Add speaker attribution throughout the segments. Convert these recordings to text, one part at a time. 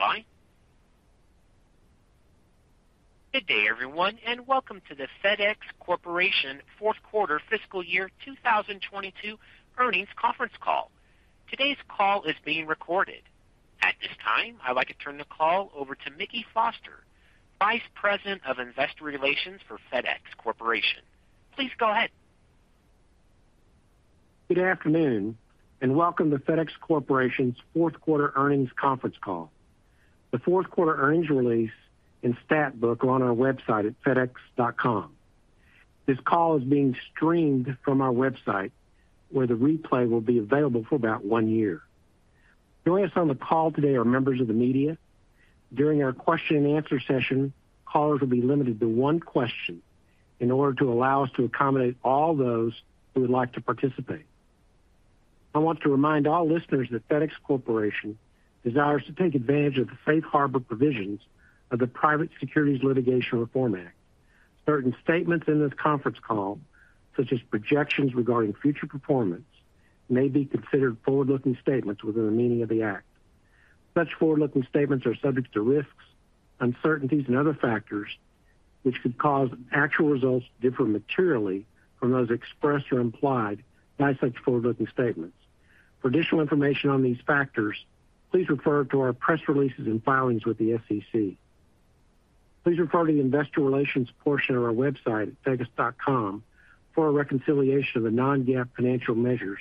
Speaker 1: Please stand by. Good day, everyone, and welcome to the FedEx Corporation Fourth Quarter Fiscal Year 2022 Earnings Conference Call. Today's call is being recorded. At this time, I'd like to turn the call over to Mickey Foster, Vice President of Investor Relations for FedEx Corporation. Please go ahead.
Speaker 2: Good afternoon and welcome to FedEx Corporation's fourth quarter earnings conference call. The fourth quarter earnings release and stat book are on our website at fedex.com. This call is being streamed from our website, where the replay will be available for about one year. Joining us on the call today are members of the media. During our question and answer session, callers will be limited to one question in order to allow us to accommodate all those who would like to participate. I want to remind all listeners that FedEx Corporation desires to take advantage of the safe harbor provisions of the Private Securities Litigation Reform Act. Certain statements in this conference call, such as projections regarding future performance, may be considered forward-looking statements within the meaning of the Act. Such forward-looking statements are subject to risks, uncertainties and other factors which could cause actual results to differ materially from those expressed or implied by such forward-looking statements. For additional information on these factors, please refer to our press releases and filings with the SEC. Please refer to the investor relations portion of our website at fedex.com for a reconciliation of the non-GAAP financial measures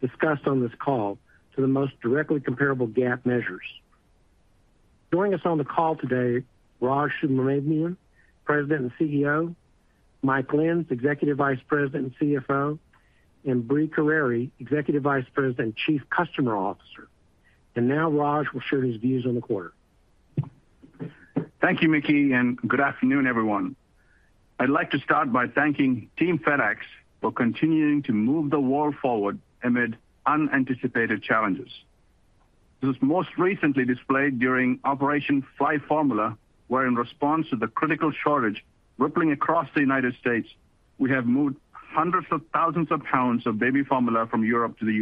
Speaker 2: discussed on this call to the most directly comparable GAAP measures. Joining us on the call today, Raj Subramaniam, President and CEO, Mike Lenz, Executive Vice President and CFO, and Brie Carere, Executive Vice President and Chief Customer Officer. Now Raj will share his views on the quarter.
Speaker 3: Thank you, Mickey, and good afternoon, everyone. I'd like to start by thanking Team FedEx for continuing to move the world forward amid unanticipated challenges. This was most recently displayed during Operation Fly Formula, where in response to the critical shortage rippling across the United States, we have moved hundreds of thousands of pounds of baby formula from Europe to the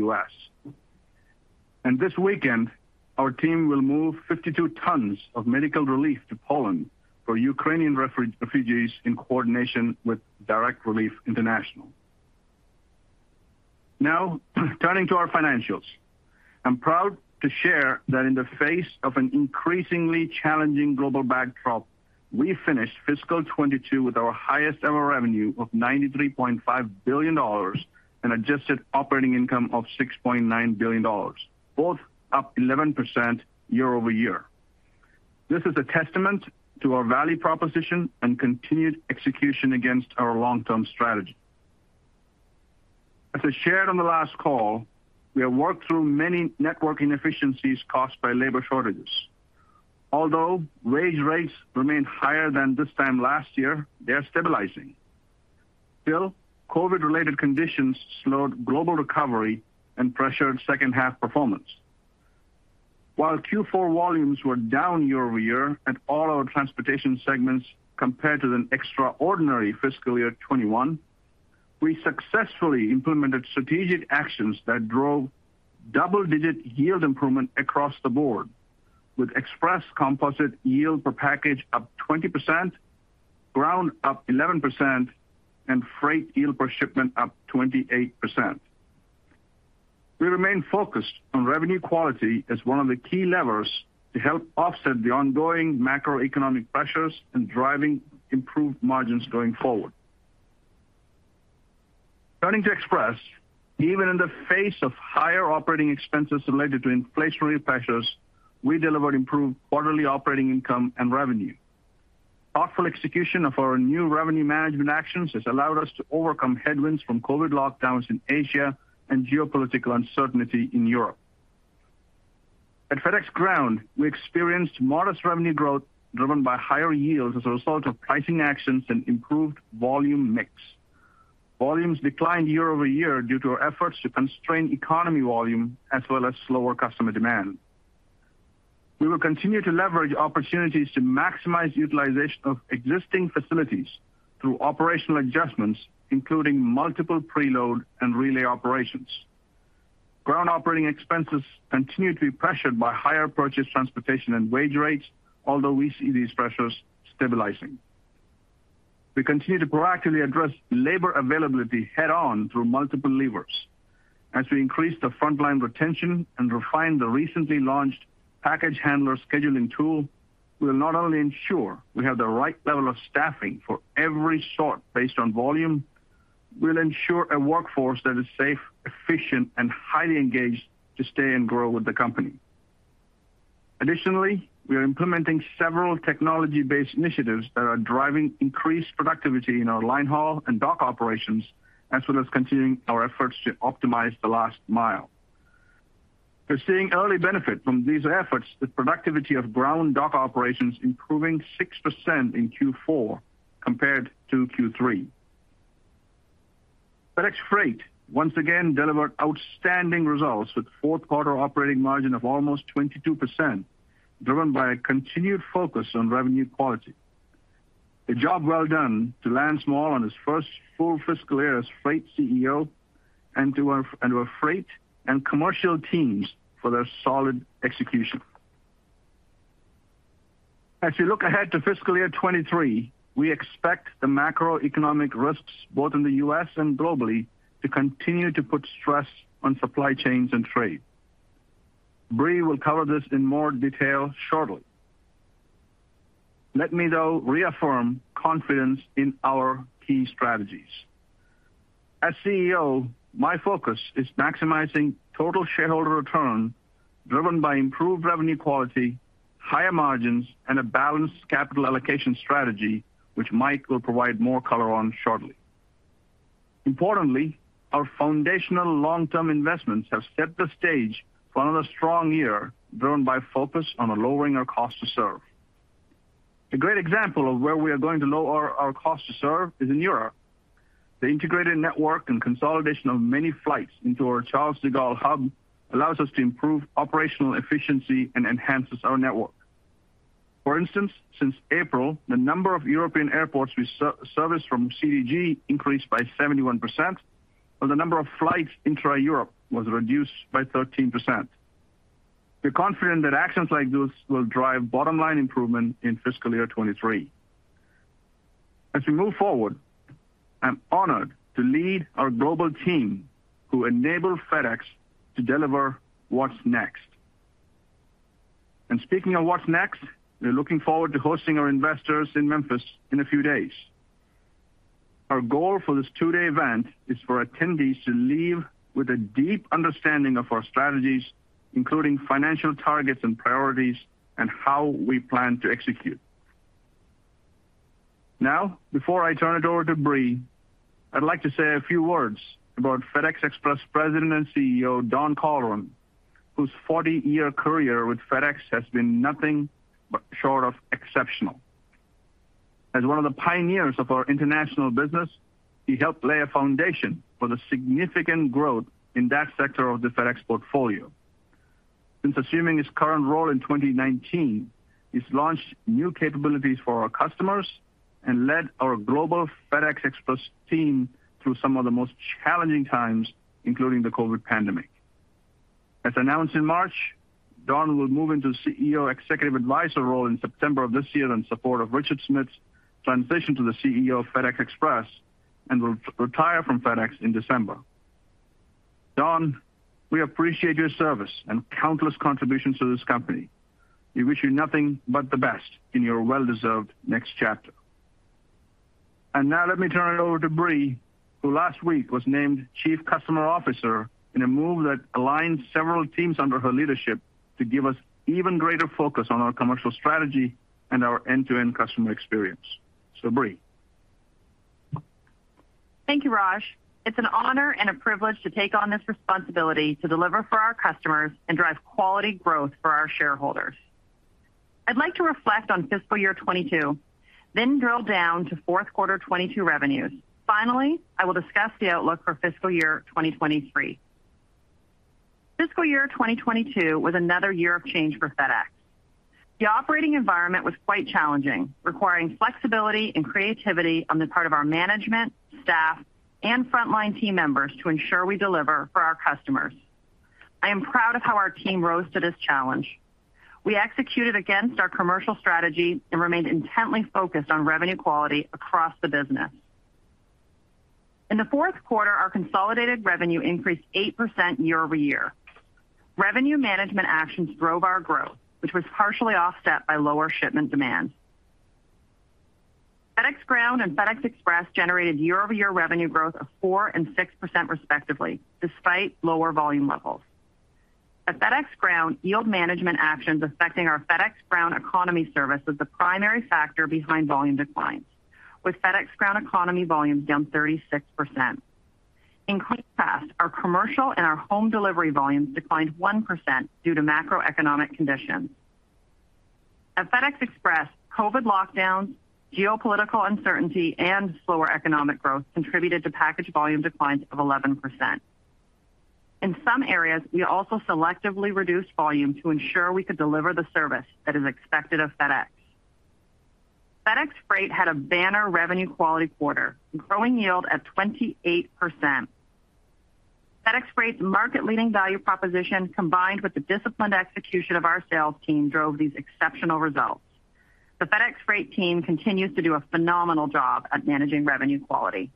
Speaker 3: US. This weekend, our team will move 52 tons of medical relief to Poland for Ukrainian refugees in coordination with Direct Relief. Now, turning to our financials. I'm proud to share that in the face of an increasingly challenging global backdrop, we finished fiscal 2022 with our highest ever revenue of $93.5 billion and adjusted operating income of $6.9 billion, both up 11% year-over-year. This is a testament to our value proposition and continued execution against our long-term strategy. As I shared on the last call, we have worked through many network inefficiencies caused by labor shortages. Although wage rates remain higher than this time last year, they are stabilizing. Still, COVID-related conditions slowed global recovery and pressured second half performance. While Q4 volumes were down year-over-year at all our transportation segments compared to the extraordinary fiscal year 2021, we successfully implemented strategic actions that drove double-digit yield improvement across the board, with Express composite yield per package up 20%, Ground up 11%, and Freight yield per shipment up 28%. We remain focused on revenue quality as one of the key levers to help offset the ongoing macroeconomic pressures and driving improved margins going forward. Turning to Express, even in the face of higher operating expenses related to inflationary pressures, we delivered improved quarterly operating income and revenue. Thoughtful execution of our new revenue management actions has allowed us to overcome headwinds from COVID lockdowns in Asia and geopolitical uncertainty in Europe. At FedEx Ground, we experienced modest revenue growth driven by higher yields as a result of pricing actions and improved volume mix. Volumes declined year-over-year due to our efforts to constrain economy volume as well as slower customer demand. We will continue to leverage opportunities to maximize utilization of existing facilities through operational adjustments, including multiple preload and relay operations. Ground operating expenses continue to be pressured by higher purchase transportation and wage rates, although we see these pressures stabilizing. We continue to proactively address labor availability head on through multiple levers. As we increase the frontline retention and refine the recently launched Package Handler Scheduling tool, we will not only ensure we have the right level of staffing for every sort based on volume, we'll ensure a workforce that is safe, efficient, and highly engaged to stay and grow with the company. Additionally, we are implementing several technology-based initiatives that are driving increased productivity in our line haul and dock operations, as well as continuing our efforts to optimize the last mile. We're seeing early benefit from these efforts with productivity of Ground dock operations improving 6% in Q4 compared to Q3. FedEx Freight once again delivered outstanding results with fourth quarter operating margin of almost 22%, driven by a continued focus on revenue quality. A job well done to Lance Moll on his first full fiscal year as Freight CEO and to our Freight and Commercial teams for their solid execution. As we look ahead to fiscal year 2023, we expect the macroeconomic risks, both in the U.S. and globally, to continue to put stress on supply chains and trade. Brie will cover this in more detail shortly. Let me, though, reaffirm confidence in our key strategies. As CEO, my focus is maximizing total shareholder return driven by improved revenue quality, higher margins, and a balanced capital allocation strategy, which Mike will provide more color on shortly. Importantly, our foundational long-term investments have set the stage for another strong year driven by focus on lowering our cost to serve. A great example of where we are going to lower our cost to serve is in Europe. The integrated network and consolidation of many flights into our Charles de Gaulle hub allows us to improve operational efficiency and enhances our network. For instance, since April, the number of European airports we service from CDG increased by 71%, while the number of flights intra-Europe was reduced by 13%. We're confident that actions like this will drive bottom-line improvement in fiscal year 2023. As we move forward, I'm honored to lead our global team who enable FedEx to deliver what's next. Speaking of what's next, we're looking forward to hosting our investors in Memphis in a few days. Our goal for this two-day event is for attendees to leave with a deep understanding of our strategies, including financial targets and priorities and how we plan to execute. Now, before I turn it over to Brie, I'd like to say a few words about FedEx Express President and CEO Don Colleran, whose 40-year career with FedEx has been nothing short of exceptional. As one of the pioneers of our international business, he helped lay a foundation for the significant growth in that sector of the FedEx portfolio. Since assuming his current role in 2019, he's launched new capabilities for our customers and led our global FedEx Express team through some of the most challenging times, including the COVID pandemic. As announced in March, Don will move into CEO Executive Advisor role in September of this year in support of Richard Smith's transition to the CEO of FedEx Express and will retire from FedEx in December. Don, we appreciate your service and countless contributions to this company. We wish you nothing but the best in your well-deserved next chapter. Now let me turn it over to Brie, who last week was named Chief Customer Officer in a move that aligns several teams under her leadership to give us even greater focus on our commercial strategy and our end-to-end customer experience. Brie.
Speaker 4: Thank you, Raj. It's an honor and a privilege to take on this responsibility to deliver for our customers and drive quality growth for our shareholders. I'd like to reflect on fiscal year 2022, then drill down to fourth quarter 2022 revenues. Finally, I will discuss the outlook for fiscal year 2023. Fiscal year 2022 was another year of change for FedEx. The operating environment was quite challenging, requiring flexibility and creativity on the part of our management, staff, and frontline team members to ensure we deliver for our customers. I am proud of how our team rose to this challenge. We executed against our commercial strategy and remained intently focused on revenue quality across the business. In the fourth quarter, our consolidated revenue increased 8% year-over-year. Revenue management actions drove our growth, which was partially offset by lower shipment demand. FedEx Ground and FedEx Express generated year-over-year revenue growth of 4% and 6% respectively, despite lower volume levels. At FedEx Ground, yield management actions affecting our FedEx Ground Economy service was the primary factor behind volume declines, with FedEx Ground Economy volumes down 36%. In contrast, our Commercial and our Home Delivery volumes declined 1% due to macroeconomic conditions. At FedEx Express, COVID lockdowns, geopolitical uncertainty, and slower economic growth contributed to package volume declines of 11%. In some areas, we also selectively reduced volume to ensure we could deliver the service that is expected of FedEx. FedEx Freight had a banner revenue quality quarter, growing yield at 28%. FedEx Freight's market-leading value proposition, combined with the disciplined execution of our sales team, drove these exceptional results. The FedEx Freight team continues to do a phenomenal job at managing revenue quality.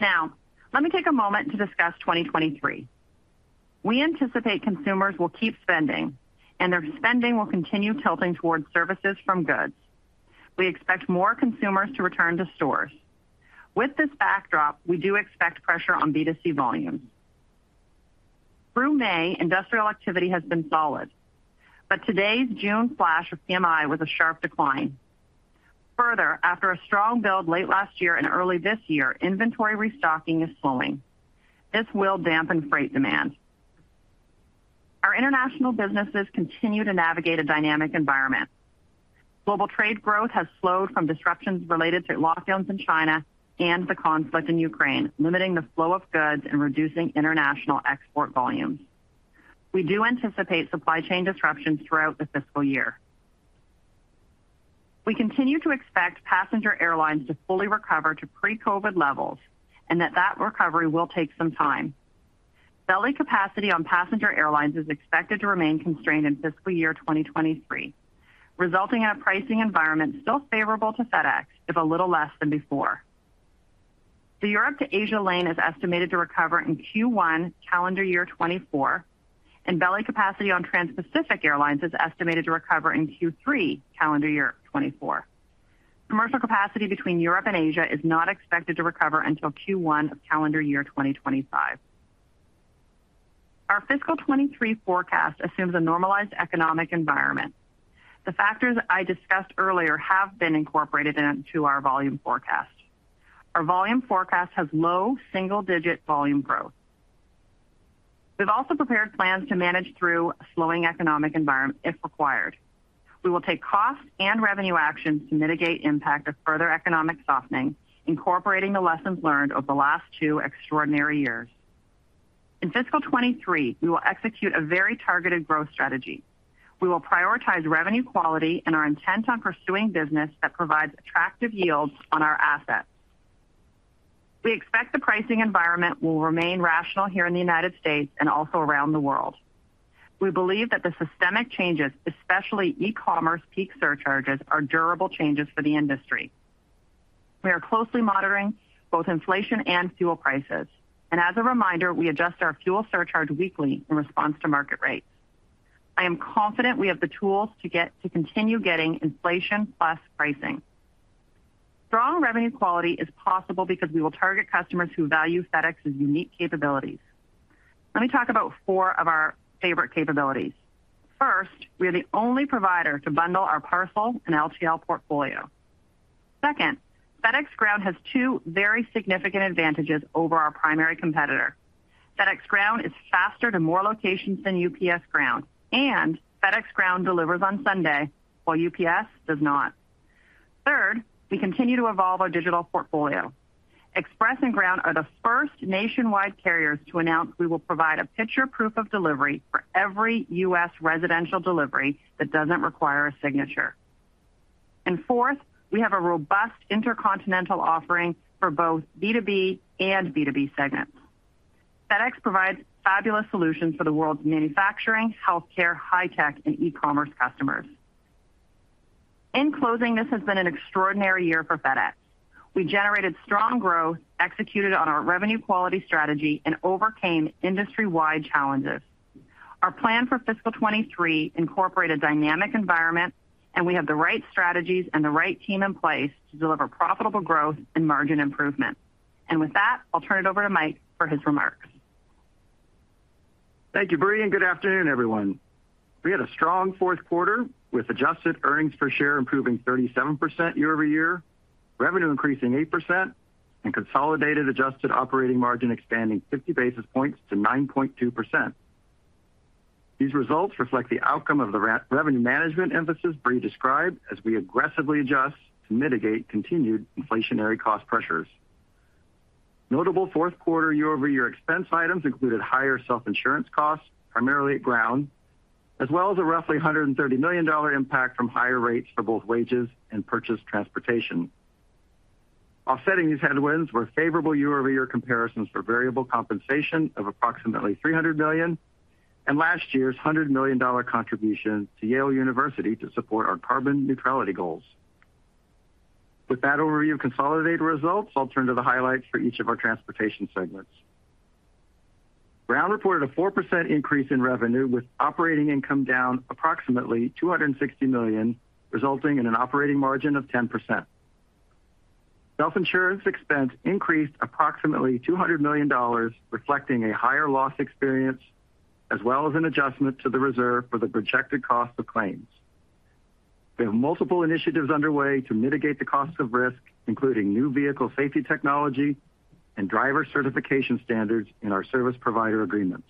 Speaker 4: Now, let me take a moment to discuss 2023. We anticipate consumers will keep spending, and their spending will continue tilting towards services from goods. We expect more consumers to return to stores. With this backdrop, we do expect pressure on B2C volume. Through May, industrial activity has been solid, but today's June flash of PMI was a sharp decline. Further, after a strong build late last year and early this year, inventory restocking is slowing. This will dampen freight demand. Our international businesses continue to navigate a dynamic environment. Global trade growth has slowed from disruptions related to lockdowns in China and the conflict in Ukraine, limiting the flow of goods and reducing international export volumes. We do anticipate supply chain disruptions throughout the fiscal year. We continue to expect passenger airlines to fully recover to pre-COVID levels and that recovery will take some time. Belly capacity on passenger airlines is expected to remain constrained in fiscal year 2023, resulting in a pricing environment still favorable to FedEx, if a little less than before. The Europe to Asia lane is estimated to recover in Q1 calendar year 2024, and belly capacity on Transpacific Airlines is estimated to recover in Q3 calendar year 2024. Commercial capacity between Europe and Asia is not expected to recover until Q1 of calendar year 2025. Our fiscal 2023 forecast assumes a normalized economic environment. The factors I discussed earlier have been incorporated into our volume forecast. Our volume forecast has low single-digit volume growth. We've also prepared plans to manage through a slowing economic environment if required. We will take cost and revenue actions to mitigate impact of further economic softening, incorporating the lessons learned over the last two extraordinary years. In fiscal 2023, we will execute a very targeted growth strategy. We will prioritize revenue quality and our intent on pursuing business that provides attractive yields on our assets. We expect the pricing environment will remain rational here in the United States and also around the world. We believe that the systemic changes, especially e-commerce peak surcharges, are durable changes for the industry. We are closely monitoring both inflation and fuel prices. As a reminder, we adjust our fuel surcharge weekly in response to market rates. I am confident we have the tools to continue getting inflation plus pricing. Strong revenue quality is possible because we will target customers who value FedEx's unique capabilities. Let me talk about four of our favorite capabilities. First, we are the only provider to bundle our parcel and LTL portfolio. Second, FedEx Ground has two very significant advantages over our primary competitor. FedEx Ground is faster to more locations than UPS Ground, and FedEx Ground delivers on Sunday while UPS does not. Third, we continue to evolve our digital portfolio. Express and Ground are the first nationwide carriers to announce we will provide a picture proof of delivery for every U.S. residential delivery that doesn't require a signature. Fourth, we have a robust intercontinental offering for both B2B and B2C segments. FedEx provides fabulous solutions for the world's manufacturing, healthcare, high tech, and e-commerce customers. In closing, this has been an extraordinary year for FedEx. We generated strong growth, executed on our revenue quality strategy, and overcame industry-wide challenges. Our plan for fiscal 2023 incorporate a dynamic environment, and we have the right strategies and the right team in place to deliver profitable growth and margin improvement. With that, I'll turn it over to Mike for his remarks.
Speaker 5: Thank you, Brie, and good afternoon, everyone. We had a strong fourth quarter with adjusted earnings per share improving 37% year-over-year, revenue increasing 8%, and consolidated adjusted operating margin expanding 50 basis points to 9.2%. These results reflect the outcome of the revenue management emphasis Brie described as we aggressively adjust to mitigate continued inflationary cost pressures. Notable fourth quarter year-over-year expense items included higher self-insurance costs, primarily at Ground, as well as a roughly $130 million impact from higher rates for both wages and purchase transportation. Offsetting these headwinds were favorable year-over-year comparisons for variable compensation of approximately $300 million, and last year's $100 million contribution to Yale University to support our carbon neutrality goals. With that overview of consolidated results, I'll turn to the highlights for each of our transportation segments. Ground reported a 4% increase in revenue, with operating income down approximately $260 million, resulting in an operating margin of 10%. Self-insurance expense increased approximately $200 million, reflecting a higher loss experience, as well as an adjustment to the reserve for the projected cost of claims. We have multiple initiatives underway to mitigate the cost of risk, including new vehicle safety technology and driver certification standards in our service provider agreements.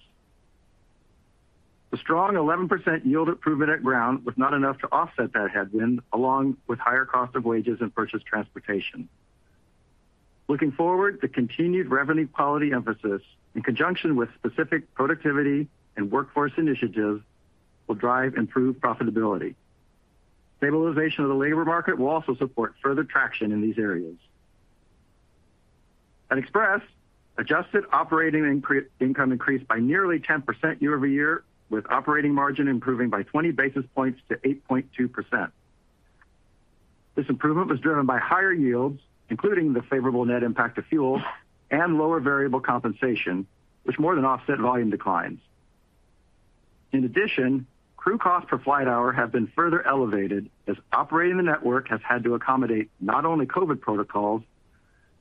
Speaker 5: The strong 11% yield improvement at Ground was not enough to offset that headwind, along with higher cost of wages and purchase transportation. Looking forward, the continued revenue quality emphasis in conjunction with specific productivity and workforce initiatives will drive improved profitability. Stabilization of the labor market will also support further traction in these areas. At Express, adjusted operating income increased by nearly 10% year-over-year, with operating margin improving by 20 basis points to 8.2%. This improvement was driven by higher yields, including the favorable net impact of fuel and lower variable compensation, which more than offset volume declines. In addition, crew costs per flight hour have been further elevated as operating the network has had to accommodate not only COVID protocols,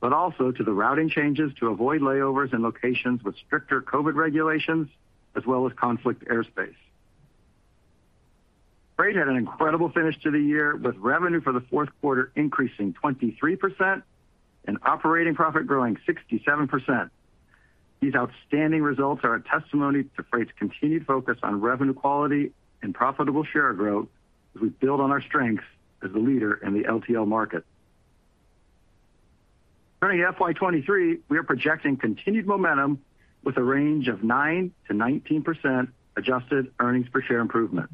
Speaker 5: but also to the routing changes to avoid layovers in locations with stricter COVID regulations, as well as conflict airspace. Freight had an incredible finish to the year, with revenue for the fourth quarter increasing 23% and operating profit growing 67%. These outstanding results are a testimony to Freight's continued focus on revenue quality and profitable share growth as we build on our strengths as a leader in the LTL market. Turning to FY 2023, we are projecting continued momentum with a range of 9%-19% adjusted earnings per share improvement.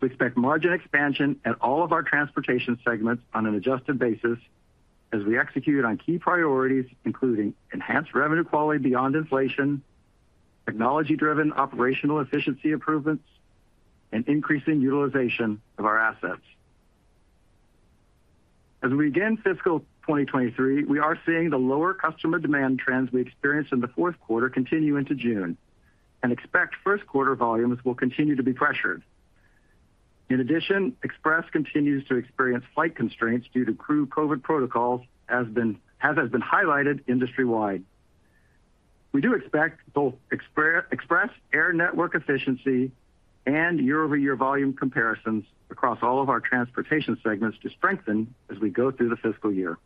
Speaker 5: We expect margin expansion at all of our transportation segments on an adjusted basis as we execute on key priorities, including enhanced revenue quality beyond inflation, technology-driven operational efficiency improvements, and increasing utilization of our assets. As we begin fiscal 2023, we are seeing the lower customer demand trends we experienced in the fourth quarter continue into June and expect first quarter volumes will continue to be pressured. In addition, Express continues to experience flight constraints due to crew COVID protocols, as has been highlighted industry-wide. We do expect both Express air network efficiency and year-over-year volume comparisons across all of our transportation segments to strengthen as we go through the fiscal year.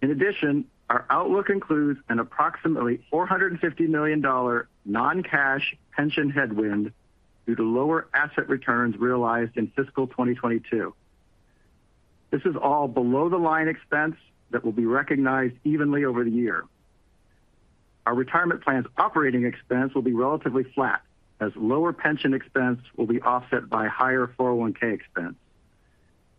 Speaker 5: In addition, our outlook includes an approximately $450 million non-cash pension headwind due to lower asset returns realized in fiscal 2022. This is all below-the-line expense that will be recognized evenly over the year. Our retirement plan's operating expense will be relatively flat as lower pension expense will be offset by higher 401(k) expense.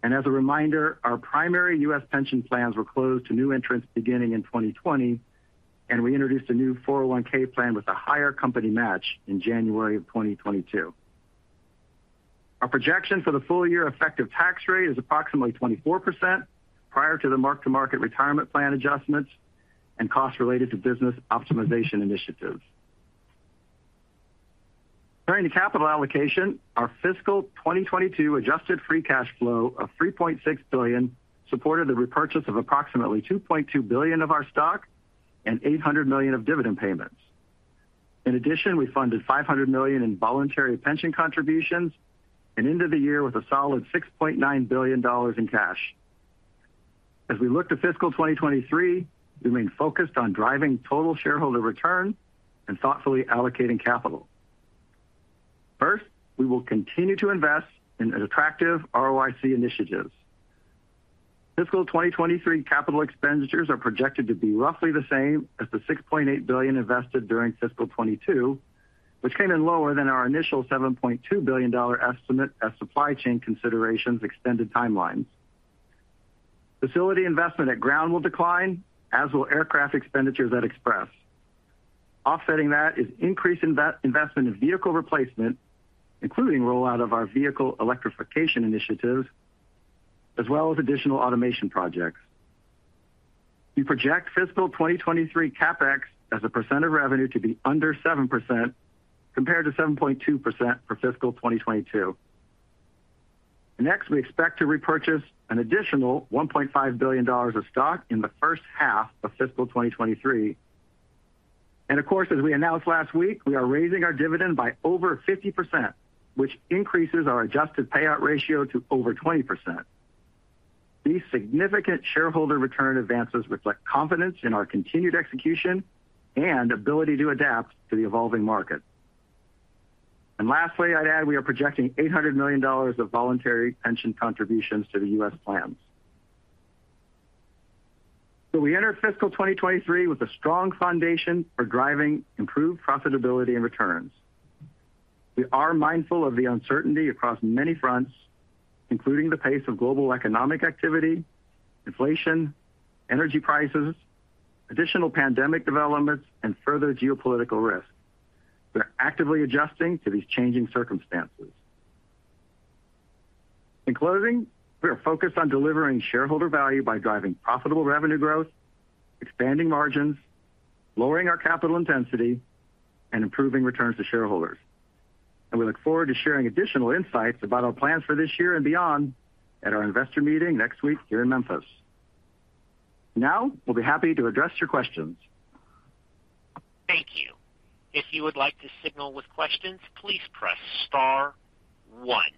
Speaker 5: As a reminder, our primary U.S. pension plans were closed to new entrants beginning in 2020, and we introduced a new 401(k) plan with a higher company match in January 2022. Our projection for the full year effective tax rate is approximately 24% prior to the mark-to-market retirement plan adjustments and costs related to business optimization initiatives. Turning to capital allocation. Our fiscal 2022 adjusted free cash flow of $3.6 billion supported the repurchase of approximately $2.2 billion of our stock and $800 million of dividend payments. In addition, we funded $500 million in voluntary pension contributions and entered the year with a solid $6.9 billion in cash. As we look to fiscal 2023, we remain focused on driving total shareholder return and thoughtfully allocating capital. First, we will continue to invest in attractive ROIC initiatives. Fiscal 2023 capital expenditures are projected to be roughly the same as the $6.8 billion invested during fiscal 2022, which came in lower than our initial $7.2 billion estimate as supply chain considerations extended timelines. Facility investment at Ground will decline, as will aircraft expenditures at Express. Offsetting that is increased investment in vehicle replacement, including rollout of our vehicle electrification initiatives, as well as additional automation projects. We project fiscal 2023 CapEx as a percent of revenue to be under 7% compared to 7.2% for fiscal 2022. Next, we expect to repurchase an additional $1.5 billion of stock in the first half of fiscal 2023. Of course, as we announced last week, we are raising our dividend by over 50%, which increases our adjusted payout ratio to over 20%. These significant shareholder return advances reflect confidence in our continued execution and ability to adapt to the evolving market. Lastly, I'd add we are projecting $800 million of voluntary pension contributions to the U.S. plans. We enter fiscal 2023 with a strong foundation for driving improved profitability and returns. We are mindful of the uncertainty across many fronts, including the pace of global economic activity, inflation, energy prices, additional pandemic developments, and further geopolitical risks. We're actively adjusting to these changing circumstances. In closing, we are focused on delivering shareholder value by driving profitable revenue growth, expanding margins, lowering our capital intensity, and improving returns to shareholders. We look forward to sharing additional insights about our plans for this year and beyond at our investor meeting next week here in Memphis. Now we'll be happy to address your questions.
Speaker 1: Thank you. If you would like to signal with questions, please press star one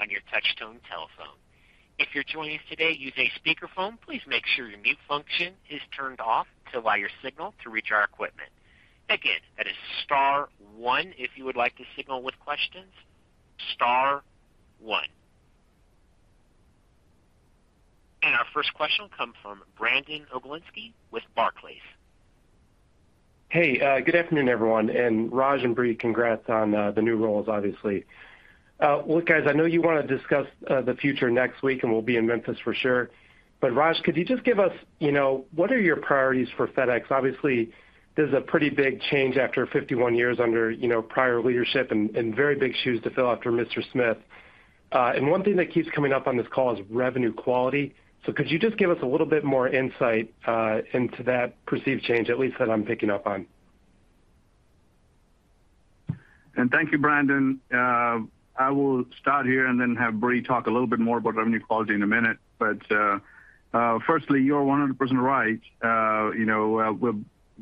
Speaker 1: on your touchtone telephone. If you're joining us today using a speakerphone, please make sure your mute function is turned off to allow your signal to reach our equipment. Again, that is star one if you would like to signal with questions, star one. Our first question comes from Brandon Oglenski with Barclays.
Speaker 6: Hey, good afternoon, everyone, and Raj and Brie, congrats on the new roles, obviously. Look, guys, I know you wanna discuss the future next week, and we'll be in Memphis for sure. Raj, could you just give us, you know, what are your priorities for FedEx? Obviously, this is a pretty big change after 51 years under, you know, prior leadership and very big shoes to fill after Mr. Smith. One thing that keeps coming up on this call is revenue quality. Could you just give us a little bit more insight into that perceived change, at least that I'm picking up on?
Speaker 3: Thank you, Brandon. I will start here and then have Brie talk a little bit more about revenue quality in a minute. Firstly, you're 100% right. You know, we're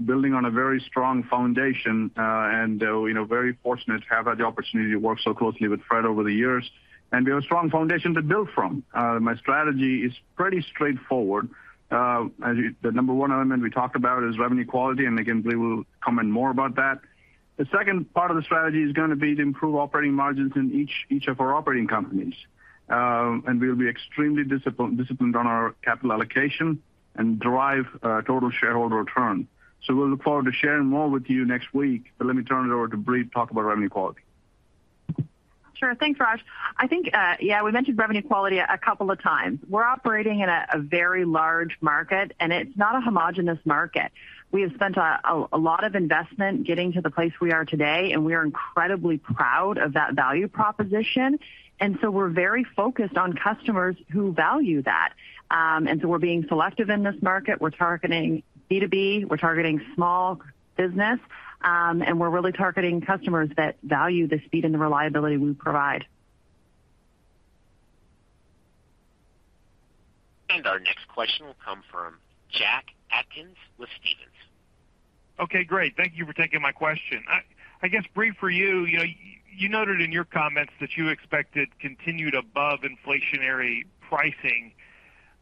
Speaker 3: building on a very strong foundation, and you know, very fortunate to have had the opportunity to work so closely with Fred over the years. We have a strong foundation to build from. My strategy is pretty straightforward. The number one element we talked about is revenue quality, and again, Brie will comment more about that. The second part of the strategy is gonna be to improve operating margins in each of our operating companies. We'll be extremely disciplined on our capital allocation and drive total shareholder return. We'll look forward to sharing more with you next week. Let me turn it over to Brie to talk about revenue quality.
Speaker 4: Sure. Thanks, Raj. I think, yeah, we mentioned revenue quality a couple of times. We're operating in a very large market, and it's not a homogeneous market. We have spent a lot of investment getting to the place we are today, and we are incredibly proud of that value proposition. We're very focused on customers who value that. We're being selective in this market. We're targeting B2B, we're targeting small business, and we're really targeting customers that value the speed and the reliability we provide.
Speaker 1: Our next question will come from Jack Atkins with Stephens.
Speaker 7: Okay, great. Thank you for taking my question. I guess, Brie, for you know, you noted in your comments that you expected continued above-inflationary pricing.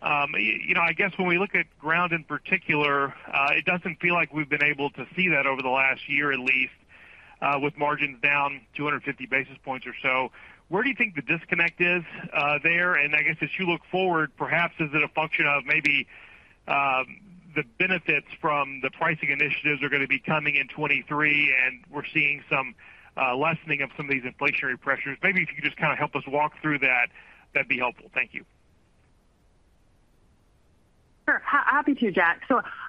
Speaker 7: You know, I guess when we look at Ground in particular, it doesn't feel like we've been able to see that over the last year at least, with margins down 250 basis points or so. Where do you think the disconnect is, there? I guess as you look forward, perhaps is it a function of maybe, the benefits from the pricing initiatives are gonna be coming in 2023, and we're seeing some, lessening of some of these inflationary pressures. Maybe if you could just kind of help us walk through that'd be helpful. Thank you.
Speaker 4: Sure. Happy to, Jack.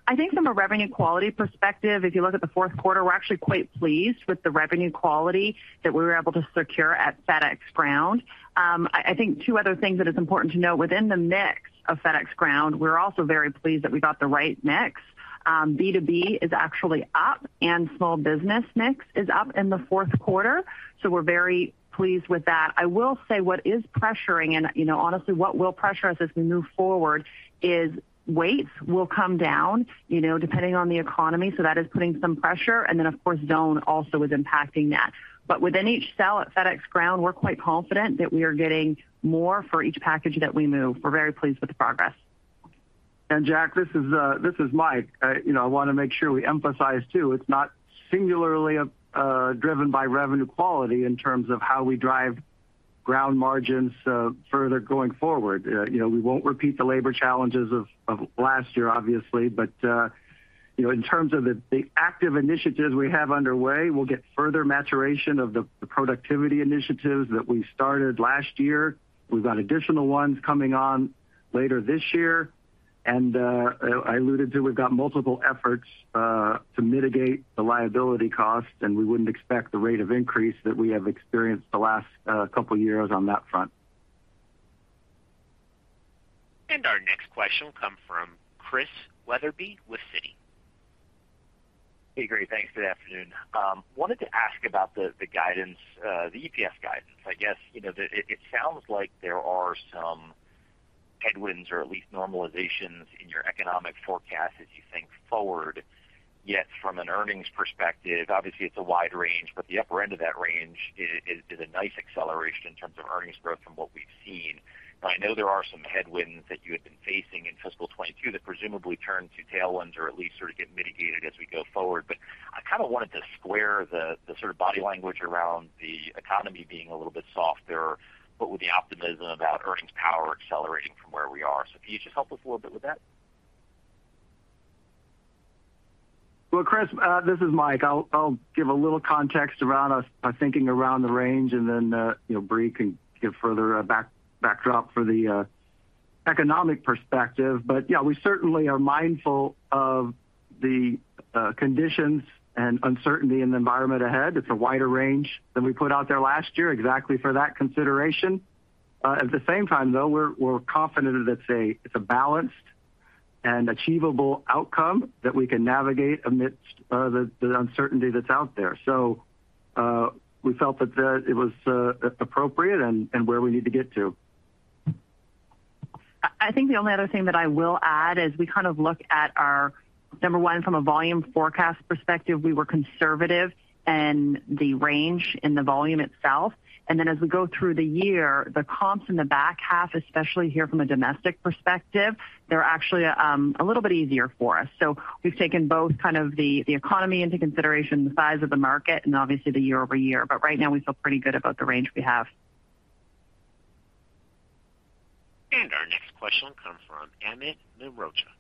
Speaker 4: I think from a revenue quality perspective, if you look at the fourth quarter, we're actually quite pleased with the revenue quality that we were able to secure at FedEx Ground. I think two other things that is important to note within the mix of FedEx Ground, we're also very pleased that we got the right mix. B2B is actually up and small business mix is up in the fourth quarter, so we're very pleased with that. I will say what is pressuring and, you know, honestly what will pressure us as we move forward is weights will come down, you know, depending on the economy. That is putting some pressure. Then of course zone also is impacting that. But within each sale at FedEx Ground, we're quite confident that we are getting more for each package that we move. We're very pleased with the progress.
Speaker 5: Jack, this is Mike. You know, I wanna make sure we emphasize, too, it's not singularly driven by revenue quality in terms of how we drive ground margins further going forward. You know, we won't repeat the labor challenges of last year, obviously, but you know, in terms of the active initiatives we have underway, we'll get further maturation of the productivity initiatives that we started last year. We've got additional ones coming on later this year. I alluded to we've got multiple efforts to mitigate the liability costs, and we wouldn't expect the rate of increase that we have experienced the last couple years on that front.
Speaker 1: Our next question will come from Chris Wetherbee with Citi.
Speaker 8: Hey, great. Thanks. Good afternoon. Wanted to ask about the guidance, the EPS guidance. I guess, you know, it sounds like there are some headwinds or at least normalizations in your economic forecast as you think forward. Yet from an earnings perspective, obviously it's a wide range, but the upper end of that range is a nice acceleration in terms of earnings growth from what we've seen. I know there are some headwinds that you had been facing in fiscal 2022 that presumably turn to tailwinds or at least sort of get mitigated as we go forward. But I kind of wanted to square the sort of body language around the economy being a little bit softer, but with the optimism about earnings power accelerating from where we are. Can you just help us a little bit with that?
Speaker 5: Well, Chris, this is Mike. I'll give a little context around our thinking around the range and then, you know, Brie can give further background for the economic perspective. Yeah, we certainly are mindful of the conditions and uncertainty in the environment ahead. It's a wider range than we put out there last year exactly for that consideration. At the same time, though, we're confident that it's a balanced and achievable outcome that we can navigate amidst the uncertainty that's out there. We felt that it was appropriate and where we need to get to.
Speaker 4: I think the only other thing that I will add is we kind of look at our number one, from a volume forecast perspective, we were conservative in the range in the volume itself. As we go through the year, the comps in the back half, especially here from a domestic perspective, they're actually a little bit easier for us. We've taken both kind of the economy into consideration, the size of the market, and obviously the year-over-year. Right now, we feel pretty good about the range we have.
Speaker 1: Our next question comes from Amit Mehrotra.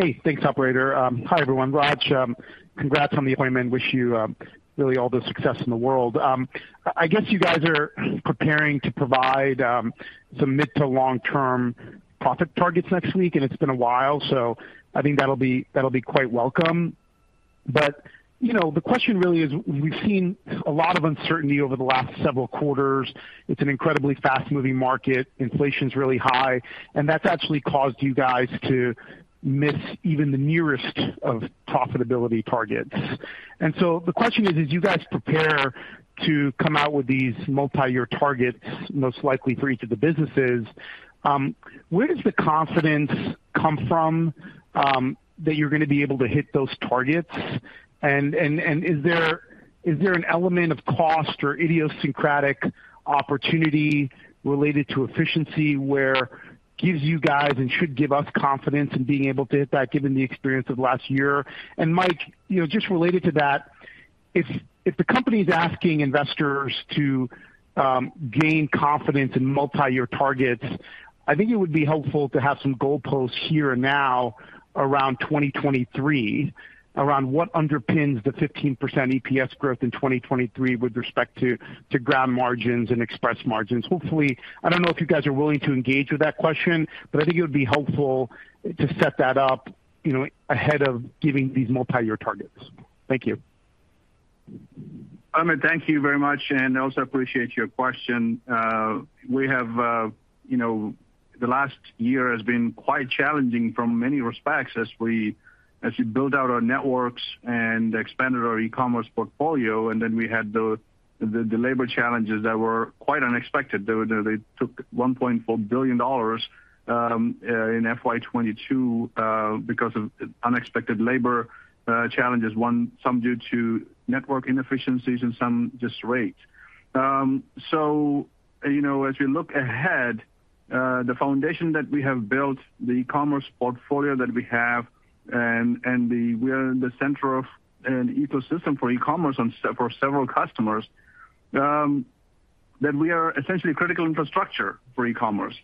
Speaker 1: Hey. Thanks, operator. Hi, everyone. Raj, congrats on the appointment. Wish you really all the success in the world. I guess you guys are preparing to provide some mid to long term profit targets next week, and it's been a while, so I think that'll be quite welcome. You know, the question really is, we've seen a lot of uncertainty over the last several quarters. It's an incredibly fast-moving market. Inflation's really high, and that's actually caused you guys to miss even the nearest of profitability targets.
Speaker 9: The question is, as you guys prepare to come out with these multi-year targets, most likely for each of the businesses, where does the confidence come from, that you're gonna be able to hit those targets? Is there an element of cost or idiosyncratic opportunity related to efficiency where gives you guys and should give us confidence in being able to hit that given the experience of last year? Mike, you know, just related to that, if the company is asking investors to gain confidence in multi-year targets, I think it would be helpful to have some goalposts here and now around 2023 around what underpins the 15% EPS growth in 2023 with respect to ground margins and express margins. Hopefully. I don't know if you guys are willing to engage with that question, but I think it would be helpful to set that up, you know, ahead of giving these multi-year targets. Thank you.
Speaker 3: Amit, thank you very much, and I also appreciate your question. We have, you know, the last year has been quite challenging from many respects as we build out our networks and expanded our e-commerce portfolio. We had the labor challenges that were quite unexpected. They took $1.4 billion in FY 2022 because of unexpected labor challenges. Some due to network inefficiencies and some just rate. You know, as we look ahead, the foundation that we have built, the e-commerce portfolio that we have and the we are the center of an ecosystem for e-commerce for several customers, that we are essentially critical infrastructure for e-commerce.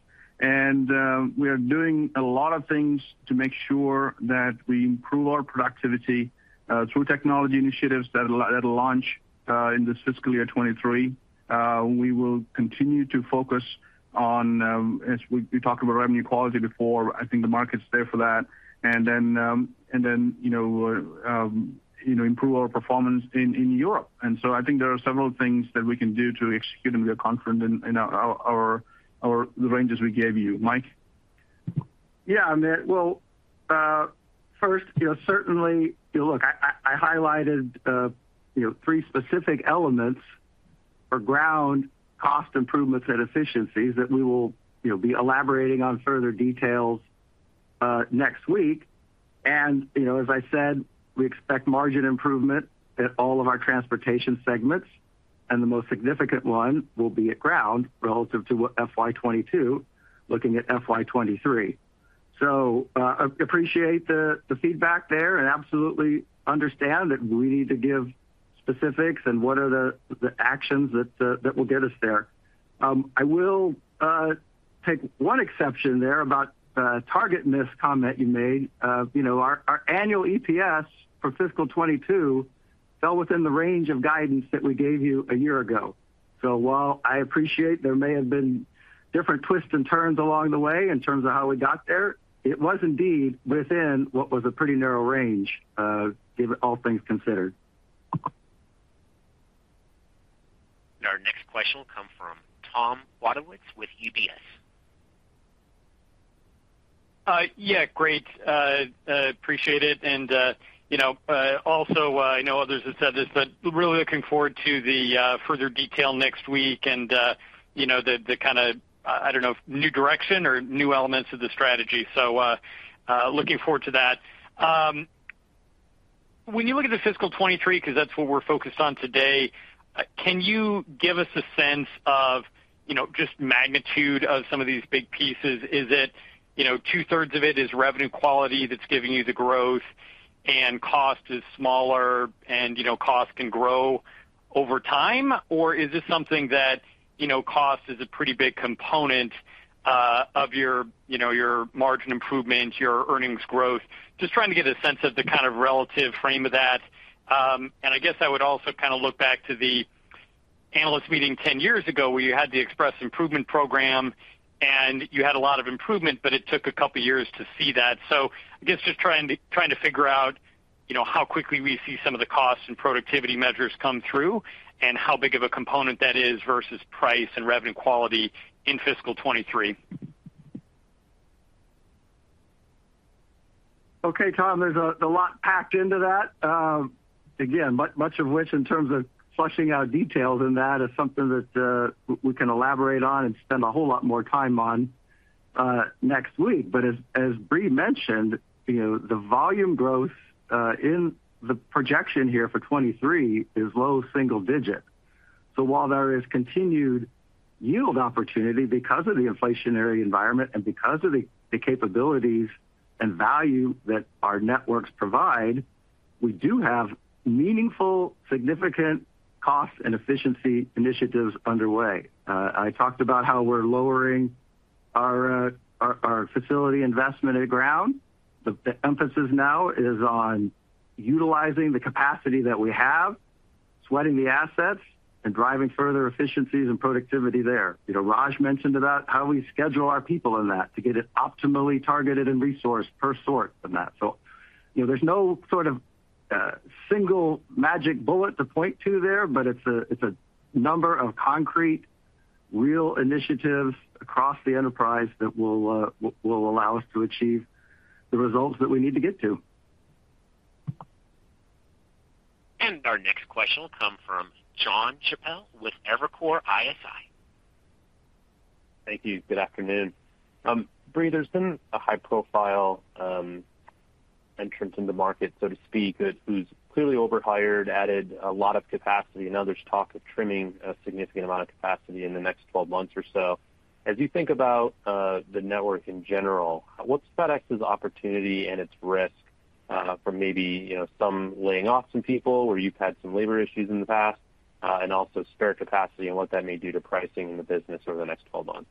Speaker 3: We are doing a lot of things to make sure that we improve our productivity through technology initiatives that'll launch in this fiscal year 2023. We will continue to focus on, as we talked about revenue quality before. I think the market's there for that. You know, improve our performance in Europe. I think there are several things that we can do to execute, and we are confident in the ranges we gave you. Mike.
Speaker 5: Yeah, Amit. Well, first, you know, certainly, you know, look, I highlighted, you know, three specific elements for ground cost improvements and efficiencies that we will, you know, be elaborating on further details next week. You know, as I said, we expect margin improvement at all of our transportation segments, and the most significant one will be at ground relative to what FY 2022, looking at FY 2023. I appreciate the feedback there and absolutely understand that we need to give specifics and what are the actions that will get us there. I will take one exception there about targeting this comment you made. You know, our annual EPS for fiscal 2022 fell within the range of guidance that we gave you a year ago. While I appreciate there may have been different twists and turns along the way in terms of how we got there, it was indeed within what was a pretty narrow range, given all things considered.
Speaker 1: Our next question will come from Tom Wadewitz with UBS. Yeah, great. Appreciate it. You know, also, I know others have said this, but really looking forward to the further detail next week and, you know, the kinda, I don't know, new direction or new elements of the strategy. Looking forward to that. When you look at the fiscal 2023, 'cause that's what we're focused on today, can you give us a sense of, you know, just magnitude of some of these big pieces? Is it, you know, two-thirds of it is revenue quality that's giving you the growth and cost is smaller and, you know, cost can grow over time? Or is this something that, you know, cost is a pretty big component of your, you know, your margin improvement, your earnings growth?
Speaker 10: Just trying to get a sense of the kind of relative frame of that. I guess I would also kinda look back to the analyst meeting 10 years ago where you had the Express Improvement Program and you had a lot of improvement, but it took a couple of years to see that. I guess just trying to figure out, you know, how quickly we see some of the costs and productivity measures come through and how big of a component that is versus price and revenue quality in fiscal 2023.
Speaker 5: Okay, Tom, there's a lot packed into that. Again, much of which in terms of fleshing out details in that is something that we can elaborate on and spend a whole lot more time on next week. As Brie mentioned, you know, the volume growth in the projection here for 2023 is low single digit. While there is continued yield opportunity because of the inflationary environment and because of the capabilities and value that our networks provide, we do have meaningful, significant cost and efficiency initiatives underway. I talked about how we're lowering our facility investment at Ground. The emphasis now is on utilizing the capacity that we have, sweating the assets, and driving further efficiencies and productivity there. You know, Raj mentioned about how we schedule our people in that to get it optimally targeted and resourced per sort in that. So, you know, there's no sort of single magic bullet to point to there, but it's a, it's a number of concrete, real initiatives across the enterprise that will allow us to achieve the results that we need to get to.
Speaker 1: Our next question will come from Jon Chappell with Evercore ISI. Thank you. Good afternoon. Brie, there's been a high-profile entrance in the market, so to speak, who's clearly overhired, added a lot of capacity, and now there's talk of trimming a significant amount of capacity in the next 12 months or so. As you think about the network in general, what's FedEx's opportunity and its risk from maybe, you know, some laying off some people where you've had some labor issues in the past, and also spare capacity and what that may do to pricing in the business over the next 12 months?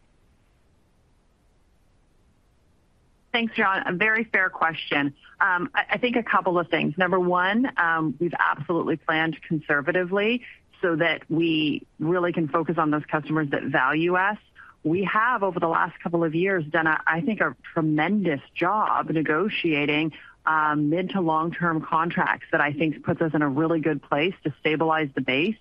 Speaker 4: Thanks, Jon. A very fair question. I think a couple of things. Number one, we've absolutely planned conservatively so that we really can focus on those customers that value us. We have, over the last couple of years, done, I think, a tremendous job negotiating mid to long-term contracts that I think puts us in a really good place to stabilize the base,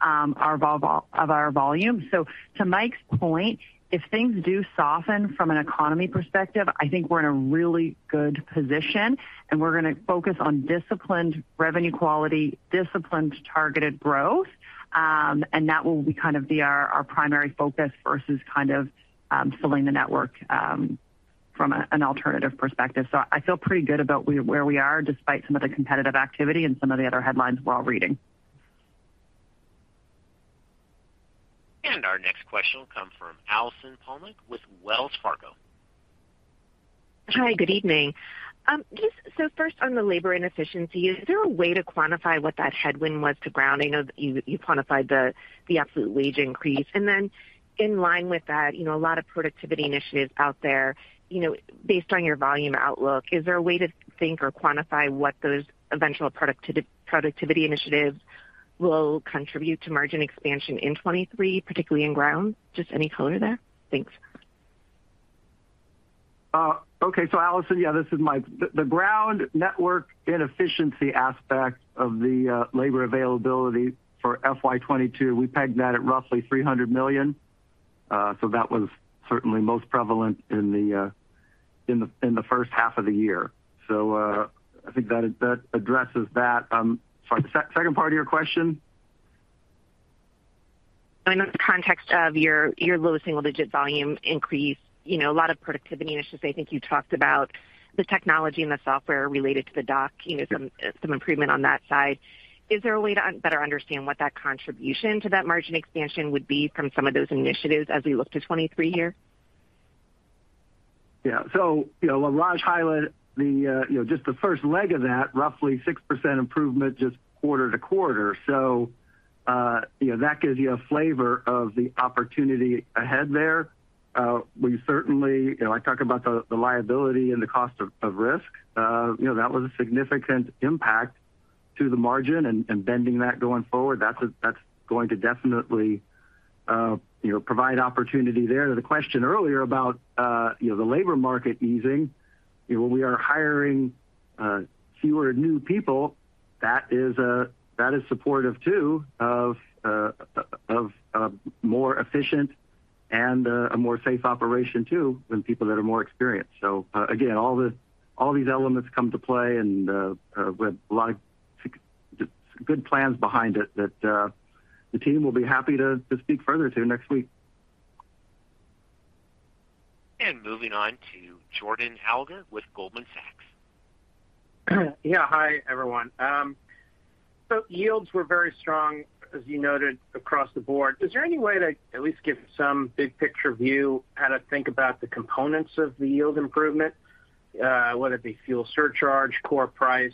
Speaker 4: our volume. So to Mike's point, if things do soften from an economy perspective, I think we're in a really good position, and we're gonna focus on disciplined revenue quality, disciplined, targeted growth, and that will be kind of our primary focus versus kind of filling the network from an alternative perspective. I feel pretty good about where we are despite some of the competitive activity and some of the other headlines we're all reading.
Speaker 1: Our next question will come from Allison Poliniak-Cusic with Wells Fargo. Hi, good evening. Just so first on the labor inefficiency, is there a way to quantify what that headwind was to Ground. You quantified the absolute wage increase. In line with that, you know, a lot of productivity initiatives out there. You know, based on your volume outlook, is there a way to think or quantify what those eventual productivity initiatives will contribute to margin expansion in 2023, particularly in Ground? Just any color there? Thanks.
Speaker 5: Allison, yeah, this is Mike. The ground network inefficiency aspect of the labor availability for FY 2022, we pegged that at roughly $300 million. That was certainly most prevalent in the first half of the year. I think that addresses that. Sorry, second part of your question?
Speaker 11: In the context of your low single-digit volume increase, you know, a lot of productivity initiatives. I think you talked about the technology and the software related to the dock, you know, some improvement on that side. Is there a way to better understand what that contribution to that margin expansion would be from some of those initiatives as we look to 2023 here?
Speaker 5: Yeah. You know, Raj highlighted the first leg of that, roughly 6% improvement just quarter to quarter. You know, that gives you a flavor of the opportunity ahead there. We certainly, you know, I talk about the liability and the cost of risk. You know, that was a significant impact to the margin and bending that going forward. That's going to definitely provide opportunity there. To the question earlier about the labor market easing. You know, we are hiring fewer new people. That is supportive too of more efficient and a more safe operation too than people that are more experienced. Again, all these elements come to play and with a lot of good plans behind it that the team will be happy to speak further to next week.
Speaker 1: Moving on to Jordan Alliger with Goldman Sachs. Yeah. Hi, everyone. So yields were very strong, as you noted, across the board. Is there any way to at least give some big picture view how to think about the components of the yield improvement? Whether it be fuel surcharge, core price,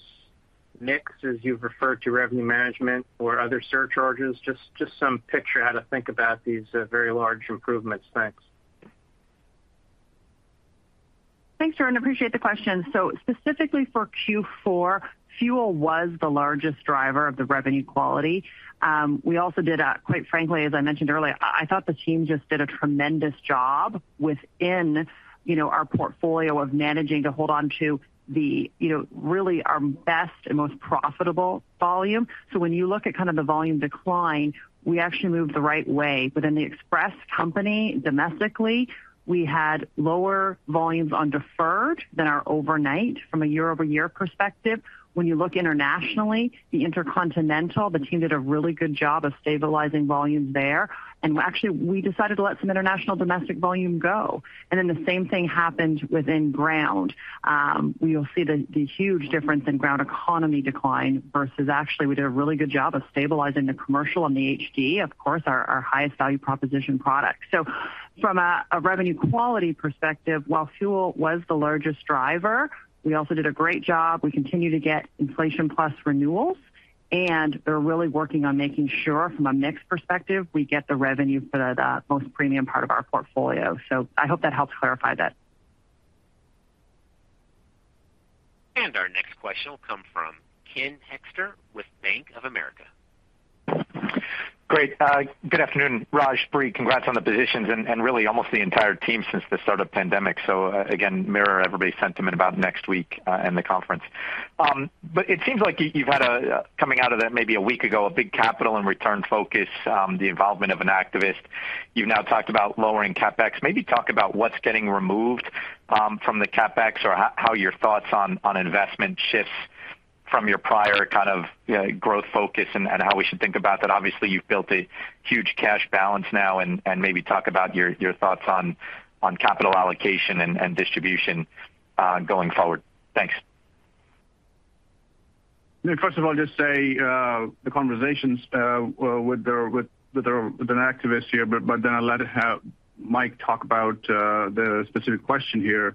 Speaker 1: mix, as you've referred to revenue management or other surcharges. Just some picture how to think about these very large improvements. Thanks.
Speaker 4: Thanks, Jordan. Appreciate the question. Specifically for Q4, fuel was the largest driver of the revenue quality. We also did, quite frankly, as I mentioned earlier, I thought the team just did a tremendous job within, you know, our portfolio of managing to hold on to the, you know, really our best and most profitable volume. When you look at kind of the volume decline, we actually moved the right way. Within the express company domestically, we had lower volumes on deferred than our overnight from a year-over-year perspective. When you look internationally, the intercontinental, the team did a really good job of stabilizing volumes there. Actually, we decided to let some international domestic volume go. Then the same thing happened within ground. You'll see the huge difference in Ground Economy decline versus actually we did a really good job of stabilizing the commercial and the HD, of course, our highest value proposition product. From a revenue quality perspective, while fuel was the largest driver, we also did a great job. We continue to get inflation plus renewals, and they're really working on making sure from a mix perspective, we get the revenue for the most premium part of our portfolio. I hope that helps clarify that.
Speaker 1: Our next question will come from Ken Hoexter with Bank of America. Great. Good afternoon, Raj, Brie. Congrats on the positions and really almost the entire team since the start of pandemic. Again, mirror everybody's sentiment about next week and the conference. It seems like you've had a coming out of that maybe a week ago, a big capital and return focus, the involvement of an activist. You've now talked about lowering CapEx. Maybe talk about what's getting removed from the CapEx or how your thoughts on investment shifts.
Speaker 12: From your prior kind of growth focus and how we should think about that. Obviously, you've built a huge cash balance now and maybe talk about your thoughts on capital allocation and distribution going forward. Thanks.
Speaker 3: First of all, just to say the conversations with the activist here, but then I'll let Mike talk about the specific question here.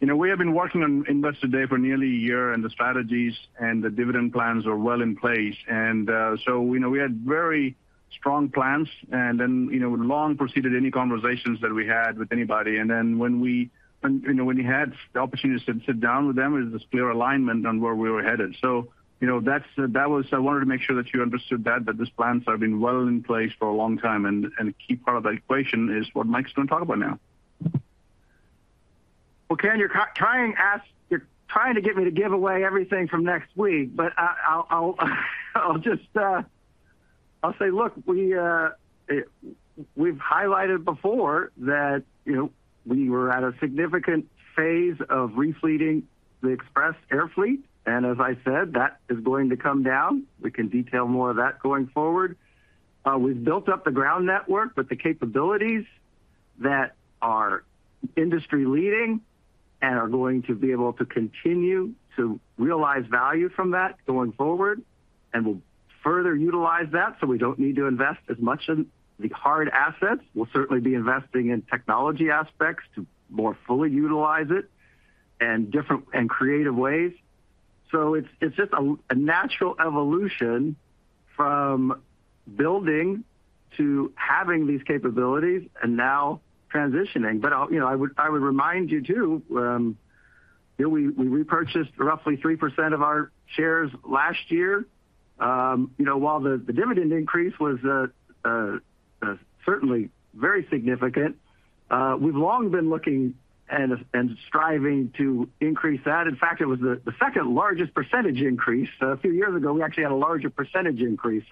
Speaker 3: You know, we have been working on Investor Day for nearly a year, and the strategies and the dividend plans are well in place. We know we had very strong plans, and they long preceded any conversations that we had with anybody. When you had the opportunity to sit down with them, it was a clear alignment on where we were headed. You know, that was. I wanted to make sure that you understood that these plans have been well in place for a long time. A key part of that equation is what Mike's going to talk about now.
Speaker 5: Well, Ken, you're trying to get me to give away everything from next week, but I'll just say, look, we've highlighted before that, you know, we were at a significant phase of re-fleeting the express air fleet, and as I said, that is going to come down. We can detail more of that going forward. We've built up the ground network with the capabilities that are industry-leading and are going to be able to continue to realize value from that going forward, and we'll further utilize that so we don't need to invest as much in the hard assets. We'll certainly be investing in technology aspects to more fully utilize it in different and creative ways. It's just a natural evolution from building to having these capabilities and now transitioning. I'll you know, I would remind you too, you know, we repurchased roughly 3% of our shares last year. You know, while the dividend increase was certainly very significant, we've long been looking and striving to increase that. In fact, it was the second-largest percentage increase. A few years ago, we actually had a larger percentage increase.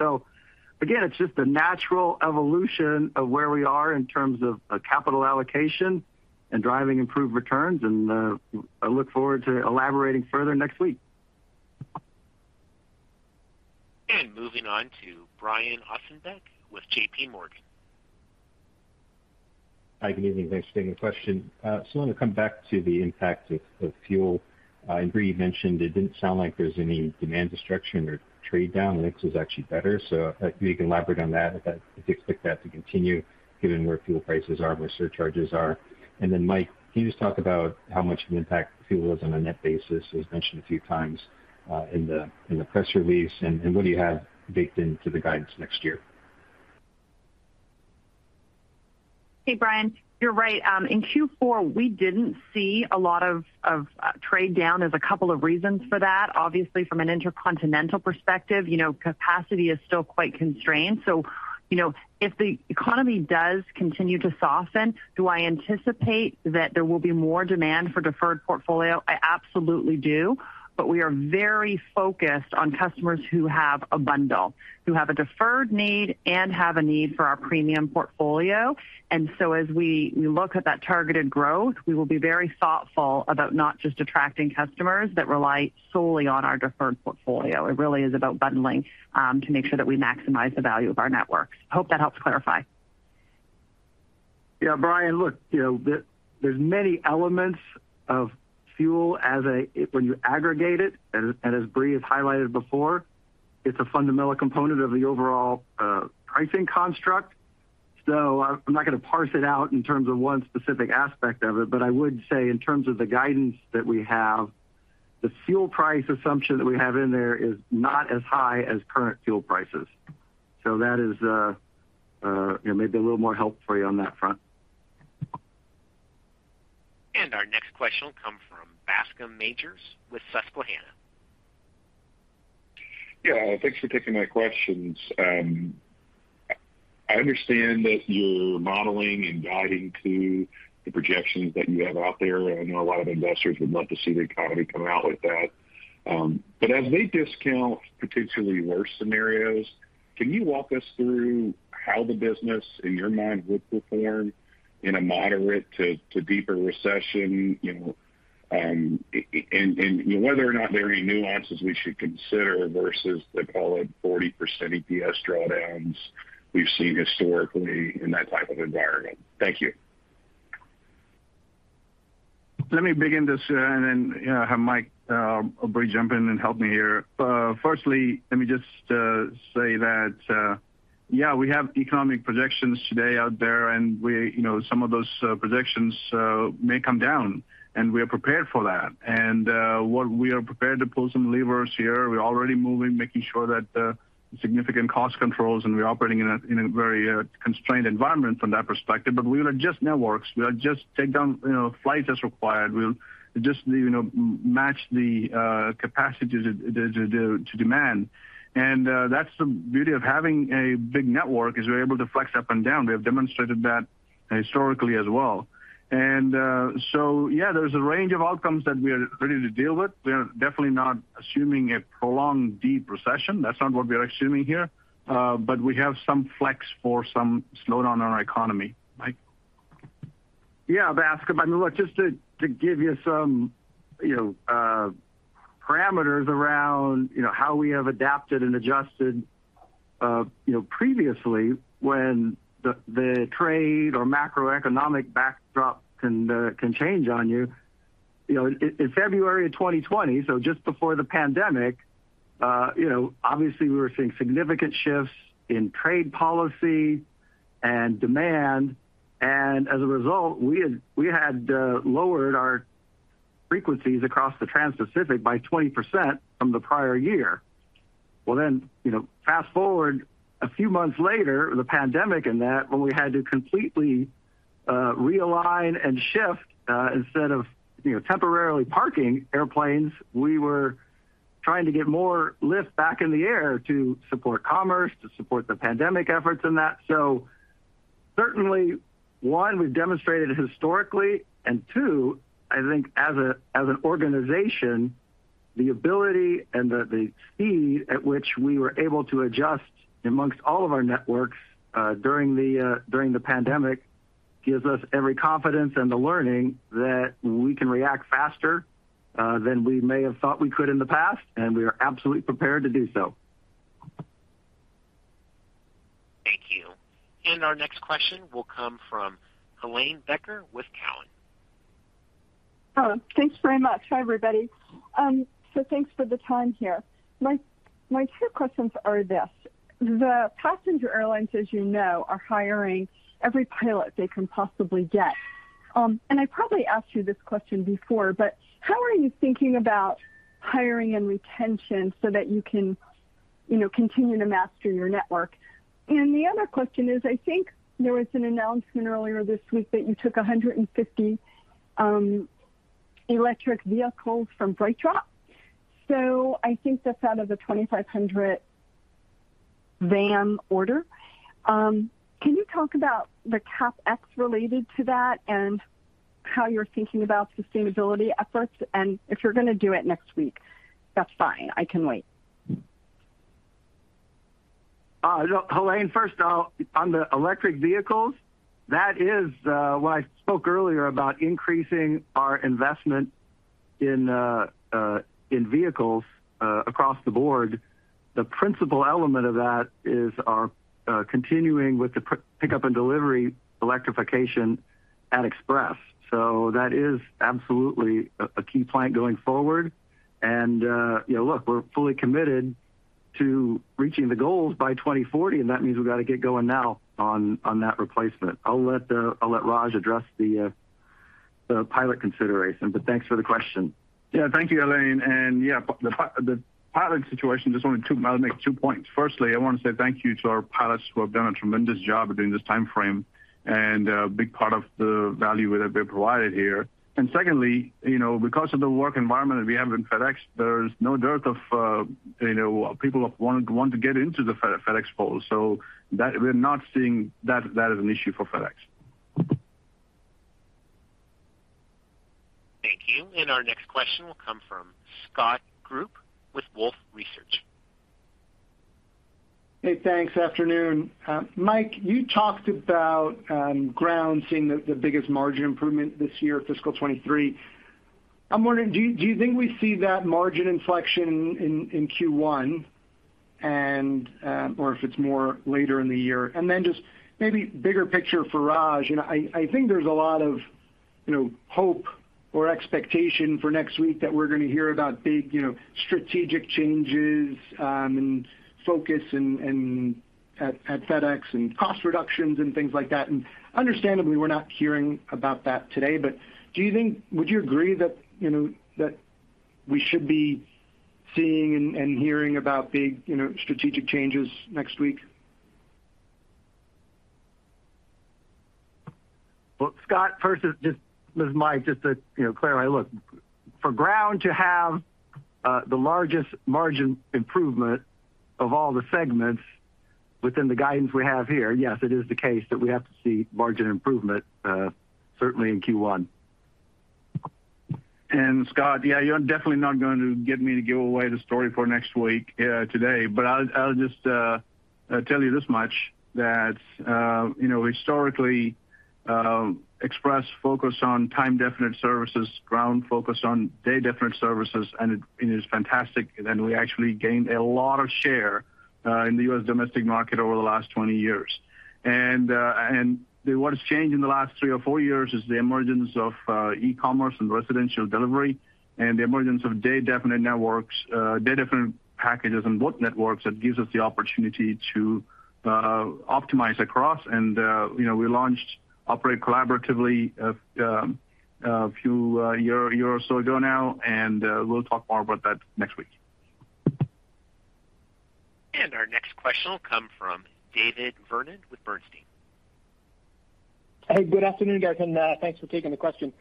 Speaker 5: Again, it's just a natural evolution of where we are in terms of capital allocation and driving improved returns. I look forward to elaborating further next week.
Speaker 1: Moving on to Brian Ossenbeck with JPMorgan. Hi. Good evening. Thanks for taking the question. I want to come back to the impact of fuel. Brie, you mentioned it didn't sound like there's any demand destruction or trade down. The mix was actually better. If you can elaborate on that, do you expect that to continue given where fuel prices are and where surcharges are? Mike, can you just talk about how much of an impact fuel is on a net basis? It was mentioned a few times in the press release, and what do you have baked into the guidance next year?
Speaker 4: Hey, Brian. You're right. In Q4, we didn't see a lot of trade down. There's a couple of reasons for that. Obviously, from an intercontinental perspective, you know, capacity is still quite constrained. You know, if the economy does continue to soften, do I anticipate that there will be more demand for deferred portfolio? I absolutely do. We are very focused on customers who have a bundle, who have a deferred need and have a need for our premium portfolio. As we look at that targeted growth, we will be very thoughtful about not just attracting customers that rely solely on our deferred portfolio. It really is about bundling to make sure that we maximize the value of our networks. I hope that helps clarify.
Speaker 5: Yeah. Brian, look, you know, there's many elements of fuel when you aggregate it, and as Brie has highlighted before, it's a fundamental component of the overall pricing construct. I'm not gonna parse it out in terms of one specific aspect of it, but I would say in terms of the guidance that we have, the fuel price assumption that we have in there is not as high as current fuel prices. That is, you know, maybe a little more help for you on that front.
Speaker 1: Our next question will come from Bascome Majors with Susquehanna. Yeah. Thanks for taking my questions. I understand that you're modeling and guiding to the projections that you have out there. I know a lot of investors would love to see the economy come out like that. But as they discount particularly worse scenarios, can you walk us through how the business, in your mind, would perform in a moderate to deeper recession? You know, and whether or not there are any nuances we should consider versus the call it 40% EPS drawdowns we've seen historically in that type of environment. Thank you.
Speaker 3: Let me begin this, and then, you know, have Mike or Brie jump in and help me here. Firstly, let me just say that, yeah, we have economic projections today out there, and we, you know, some of those projections may come down, and we are prepared for that. What we are prepared to pull some levers here. We're already moving, making sure that significant cost controls, and we're operating in a very constrained environment from that perspective. We will adjust networks. We'll adjust, take down, you know, flights as required. We'll adjust the, you know, match the capacity to demand. That's the beauty of having a big network, is we're able to flex up and down. We have demonstrated that historically as well. There's a range of outcomes that we are ready to deal with. We are definitely not assuming a prolonged deep recession. That's not what we are assuming here. We have some flex for some slowdown in our economy. Mike?
Speaker 5: Yeah, Bascome. I mean, look, just to give you some, you know, parameters around, you know, how we have adapted and adjusted, previously when the trade or macroeconomic backdrop can change on you. You know, in February of 2020, so just before the pandemic, you know, obviously we were seeing significant shifts in trade policy and demand. As a result, we had lowered our frequencies across the transpacific by 20% from the prior year. You know, fast-forward a few months later, the pandemic and that when we had to completely realign and shift, instead of, you know, temporarily parking airplanes, we were trying to get more lift back in the air to support commerce, to support the pandemic efforts in that. Certainly, one, we've demonstrated historically, and two, I think as an organization, the ability and the speed at which we were able to adjust among all of our networks during the pandemic gives us every confidence and the learning that we can react faster than we may have thought we could in the past, and we are absolutely prepared to do so.
Speaker 1: Thank you. Our next question will come from Helane Becker with Cowen. Hello. Thanks very much. Hi, everybody. Thanks for the time here. My two questions are this. The passenger airlines, as you know, are hiring every pilot they can possibly get. I probably asked you this question before, but how are you thinking about hiring and retention so that you can, you know, continue to master your network? The other question is, I think there was an announcement earlier this week that you took 150 electric vehicles from BrightDrop. So I think that's out of the 2,500 van order. Can you talk about the CapEx related to that and how you're thinking about sustainability efforts? If you're gonna do it next week, that's fine. I can wait.
Speaker 5: Look, Helane, first off, on the electric vehicles, that is what I spoke earlier about increasing our investment in vehicles across the board. The principal element of that is our continuing with the pickup and delivery electrification at Express. That is absolutely a key point going forward. You know, look, we're fully committed to reaching the goals by 2040, and that means we gotta get going now on that replacement. I'll let Raj address the pilot consideration. Thanks for the question.
Speaker 3: Yeah. Thank you, Helane. Yeah, the pilot situation, I wanna—I'll make two points. Firstly, I wanna say thank you to our pilots who have done a tremendous job during this timeframe and a big part of the value that they provided here. Secondly, you know, because of the work environment that we have in FedEx, there's no dearth of, you know, people who want to get into the FedEx fold. So that we're not seeing that as an issue for FedEx.
Speaker 1: Thank you. Our next question will come from Scott Group with Wolfe Research. Hey, thanks. Afternoon. Mike, you talked about Ground seeing the biggest margin improvement this year, fiscal 2023. I'm wondering, do you think we see that margin inflection in Q1 and or if it's more later in the year? Just maybe bigger picture for Raj. You know, I think there's a lot of you know, hope or expectation for next week that we're gonna hear about big you know, strategic changes and focus and at FedEx and cost reductions and things like that. And understandably, we're not hearing about that today. Do you think, would you agree that you know, that we should be seeing and hearing about big you know, strategic changes next week?
Speaker 5: Well, Scott, first, this is Mike, just to, you know, clarify. Look, for Ground to have the largest margin improvement of all the segments within the guidance we have here, yes, it is the case that we have to see margin improvement, certainly in Q1.
Speaker 3: Scott, yeah, you're definitely not going to get me to give away the story for next week today. I'll just tell you this much, that you know, historically, Express focused on time-definite services. Ground focused on day-definite services, and it is fantastic. We actually gained a lot of share in the U.S. domestic market over the last 20 years. What has changed in the last three or four years is the emergence of e-commerce and residential delivery and the emergence of day-definite networks, day-definite packages and both networks that gives us the opportunity to optimize across. You know, we launched Operate Collaboratively a few year or so ago now, and we'll talk more about that next week.
Speaker 1: Our next question will come from David Vernon with Bernstein. Hey, good afternoon, guys, and thanks for taking the question.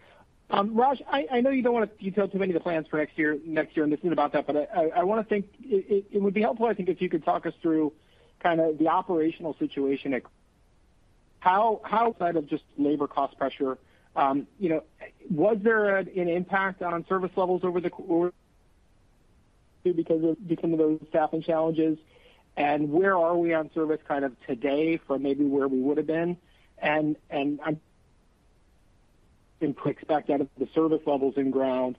Speaker 1: Raj, I know you don't wanna detail too many of the plans for next year and this and that, but it would be helpful, I think, if you could talk us through kinda the operational situation at FedEx. How, outside of just labor cost pressure, was there an impact on service levels over the quarter?
Speaker 13: Because of those staffing challenges. Where are we on service kind of today from maybe where we would have been? I'm expecting out of the service levels in Ground.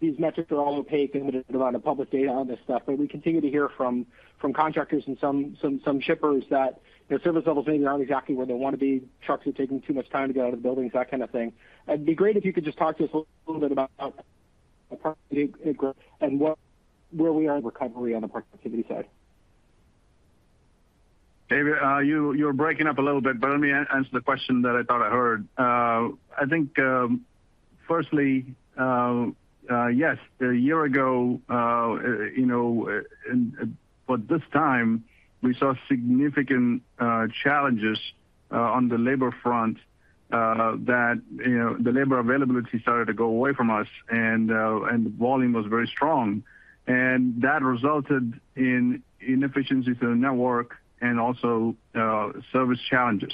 Speaker 13: These metrics are all opaque, limited amount of public data on this stuff, but we continue to hear from contractors and some shippers that their service levels may not be exactly where they want to be. Trucks are taking too much time to get out of the buildings, that kind of thing. It'd be great if you could just talk to us a little bit about where we are in recovery on the productivity side.
Speaker 3: David, you're breaking up a little bit, but let me answer the question that I thought I heard. I think, firstly, yes, a year ago, you know, but this time we saw significant challenges on the labor front, that, you know, the labor availability started to go away from us and volume was very strong. That resulted in inefficiencies in the network and also service challenges.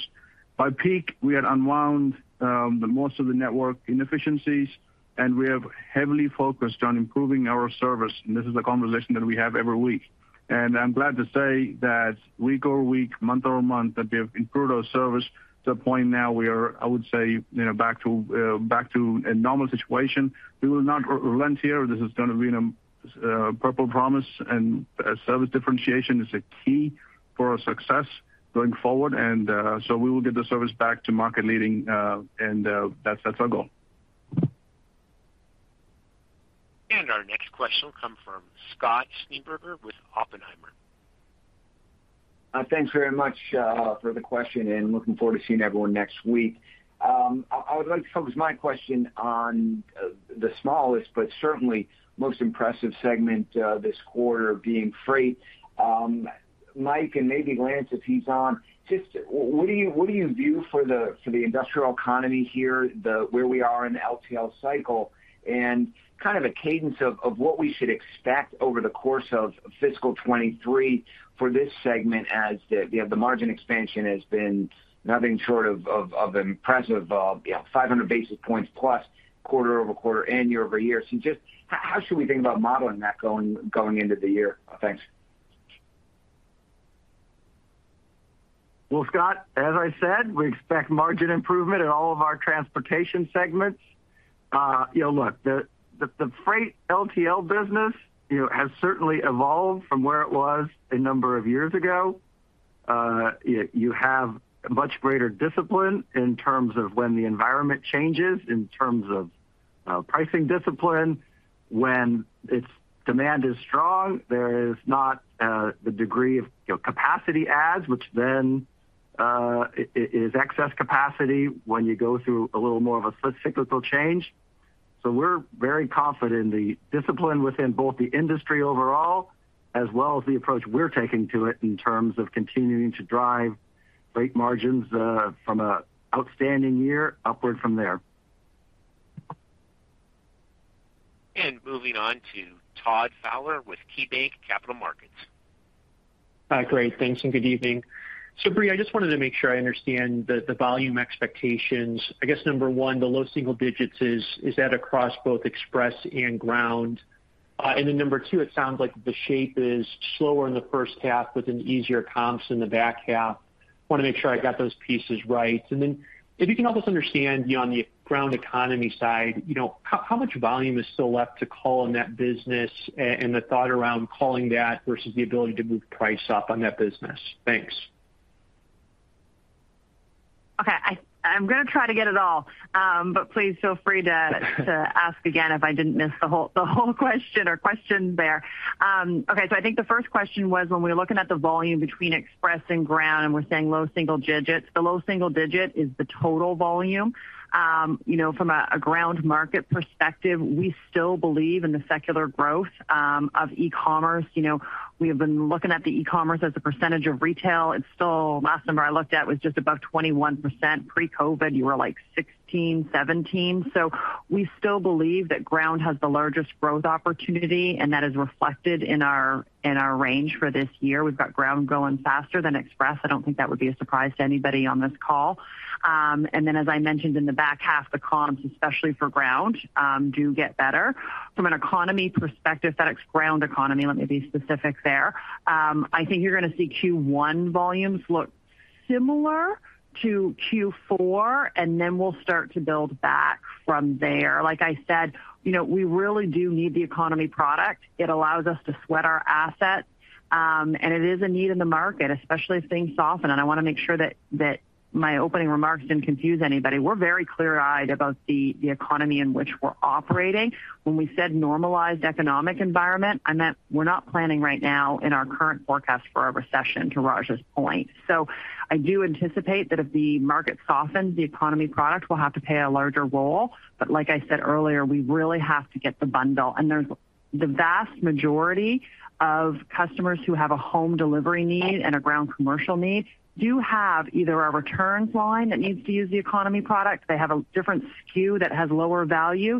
Speaker 3: By peak, we had unwound the most of the network inefficiencies, and we have heavily focused on improving our service. This is a conversation that we have every week. I'm glad to say that week-over-week, month-over-month, that we have improved our service to a point now where I would say, you know, back to a normal situation. We will not relent here. This is gonna remain a Purple Promise and a service differentiation is a key for our success going forward. We will get the service back to market leading and that's our goal.
Speaker 1: Our next question will come from Scott Schneeberger with Oppenheimer. Thanks very much for the question, and looking forward to seeing everyone next week. I would like to focus my question on the smallest but certainly most impressive segment this quarter being freight. Mike and maybe Raj, if he's on, just what do you view for the industrial economy here, the where we are in the LTL cycle and kind of a cadence of what we should expect over the course of fiscal 2023 for this segment as the, you know, the margin expansion has been nothing short of impressive, you know, 500 basis points plus quarter-over-quarter and year-over-year. Just how should we think about modeling that going into the year? Thanks.
Speaker 5: Well, Scott, as I said, we expect margin improvement in all of our transportation segments. You know, look, the freight LTL business, you know, has certainly evolved from where it was a number of years ago. You have much greater discipline in terms of when the environment changes, in terms of pricing discipline. When its demand is strong, there is not the degree of, you know, capacity adds, which then is excess capacity when you go through a little more of a cyclical change. We're very confident in the discipline within both the industry overall as well as the approach we're taking to it in terms of continuing to drive great margins from an outstanding year upward from there.
Speaker 1: Moving on to Todd Fowler with KeyBanc Capital Markets. Great. Thanks, and good evening. Brie, I just wanted to make sure I understand the volume expectations. I guess number one, the low single digits, is that across both express and ground? And then number two, it sounds like the shape is slower in the first half with an easier comps in the back half. Wanna make sure I got those pieces right. Then if you can help us understand, you know, on the ground economy side, you know, how much volume is still left to call in that business and the thought around calling that versus the ability to move price up on that business. Thanks.
Speaker 4: Okay. I'm gonna try to get it all, but please feel free to ask again if I didn't miss the whole question or questions there. I think the first question was when we're looking at the volume between express and ground, and we're saying low single digits. The low single digit is the total volume. You know, from a ground market perspective, we still believe in the secular growth of e-commerce. You know, we have been looking at the e-commerce as a percentage of retail. It's still. Last number I looked at was just above 21%. Pre-COVID, you were like 16, 17. We still believe that ground has the largest growth opportunity, and that is reflected in our range for this year. We've got ground growing faster than express. I don't think that would be a surprise to anybody on this call. Then as I mentioned in the back half, the comps, especially for ground, do get better. From an economy perspective, FedEx Ground Economy, let me be specific there, I think you're gonna see Q1 volumes look similar to Q4, and then we'll start to build back from there. Like I said, you know, we really do need the economy product. It allows us to sweat our assets, and it is a need in the market, especially as things soften. I wanna make sure that my opening remarks didn't confuse anybody. We're very clear-eyed about the economy in which we're operating. When we said normalized economic environment, I meant we're not planning right now in our current forecast for a recession, to Raj's point. I do anticipate that if the market softens, the economy product will have to play a larger role. Like I said earlier, we really have to get the bundle. There's the vast majority of customers who have a home delivery need and a ground commercial need do have either a returns line that needs to use the economy product. They have a different SKU that has lower value.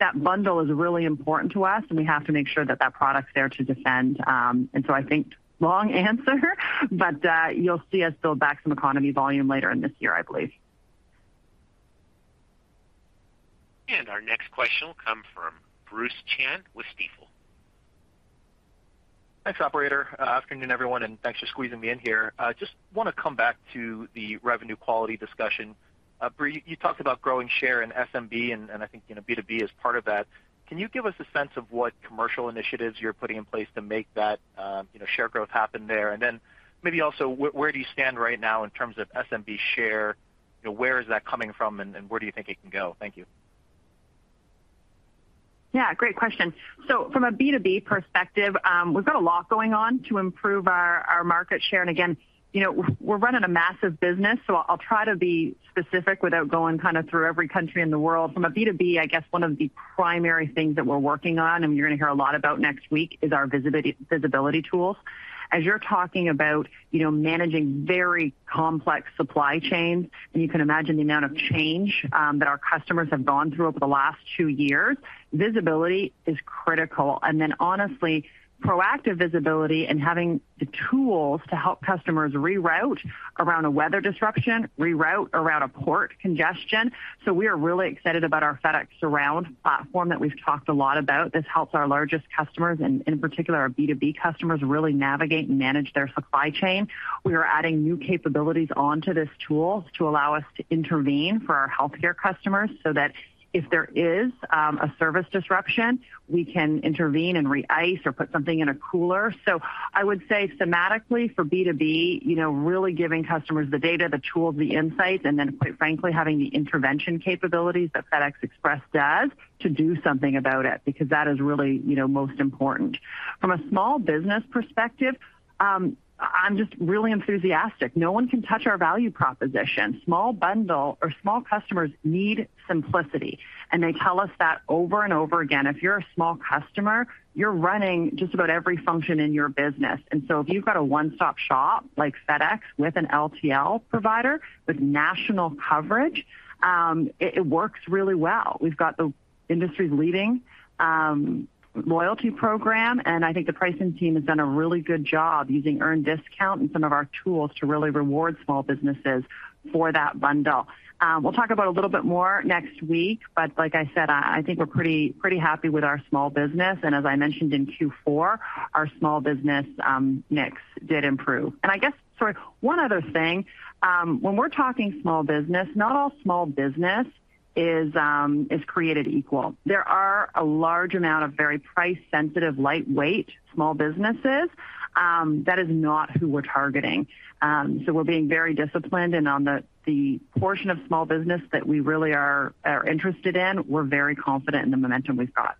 Speaker 4: That bundle is really important to us, and we have to make sure that that product's there to defend. I think long answer, but, you'll see us build back some economy volume later in this year, I believe.
Speaker 1: Our next question will come from J. Bruce Chan with Stifel.
Speaker 14: Thanks, operator. Afternoon, everyone, and thanks for squeezing me in here. I just wanna come back to the revenue quality discussion. Brie, you talked about growing share in SMB, and I think, you know, B2B is part of that. Can you give us a sense of what commercial initiatives you're putting in place to make that, you know, share growth happen there? Maybe also where do you stand right now in terms of SMB share? You know, where is that coming from and where do you think it can go? Thank you.
Speaker 4: Yeah, great question. From a B2B perspective, we've got a lot going on to improve our market share. Again, you know, we're running a massive business, so I'll try to be specific without going kinda through every country in the world. From a B2B, I guess one of the primary things that we're working on, and you're gonna hear a lot about next week, is our visibility tools. As you're talking about, you know, managing very complex supply chains, and you can imagine the amount of change that our customers have gone through over the last two years, visibility is critical. Then honestly, proactive visibility and having the tools to help customers reroute around a weather disruption, reroute around a port congestion. We are really excited about our FedEx Surround platform that we've talked a lot about. This helps our largest customers, and in particular our B2B customers, really navigate and manage their supply chain. We are adding new capabilities onto this tool to allow us to intervene for our healthcare customers so that if there is a service disruption, we can intervene and re-ice or put something in a cooler. I would say thematically for B2B, you know, really giving customers the data, the tools, the insights, and then quite frankly, having the intervention capabilities that FedEx Express does to do something about it. Because that is really, you know, most important. From a small business perspective, I'm just really enthusiastic. No one can touch our value proposition. Small business or small customers need simplicity, and they tell us that over and over again. If you're a small customer, you're running just about every function in your business. If you've got a one-stop shop like FedEx with an LTL provider with national coverage, it works really well. We've got the industry's leading loyalty program, and I think the pricing team has done a really good job using earned discount and some of our tools to really reward small businesses for that bundle. We'll talk about a little bit more next week, but like I said, I think we're pretty happy with our small business. As I mentioned in Q4, our small business mix did improve. I guess, sorry, one other thing. When we're talking small business, not all small business is created equal. There are a large amount of very price-sensitive, lightweight small businesses. That is not who we're targeting. We're being very disciplined. On the portion of small business that we really are interested in, we're very confident in the momentum we've got.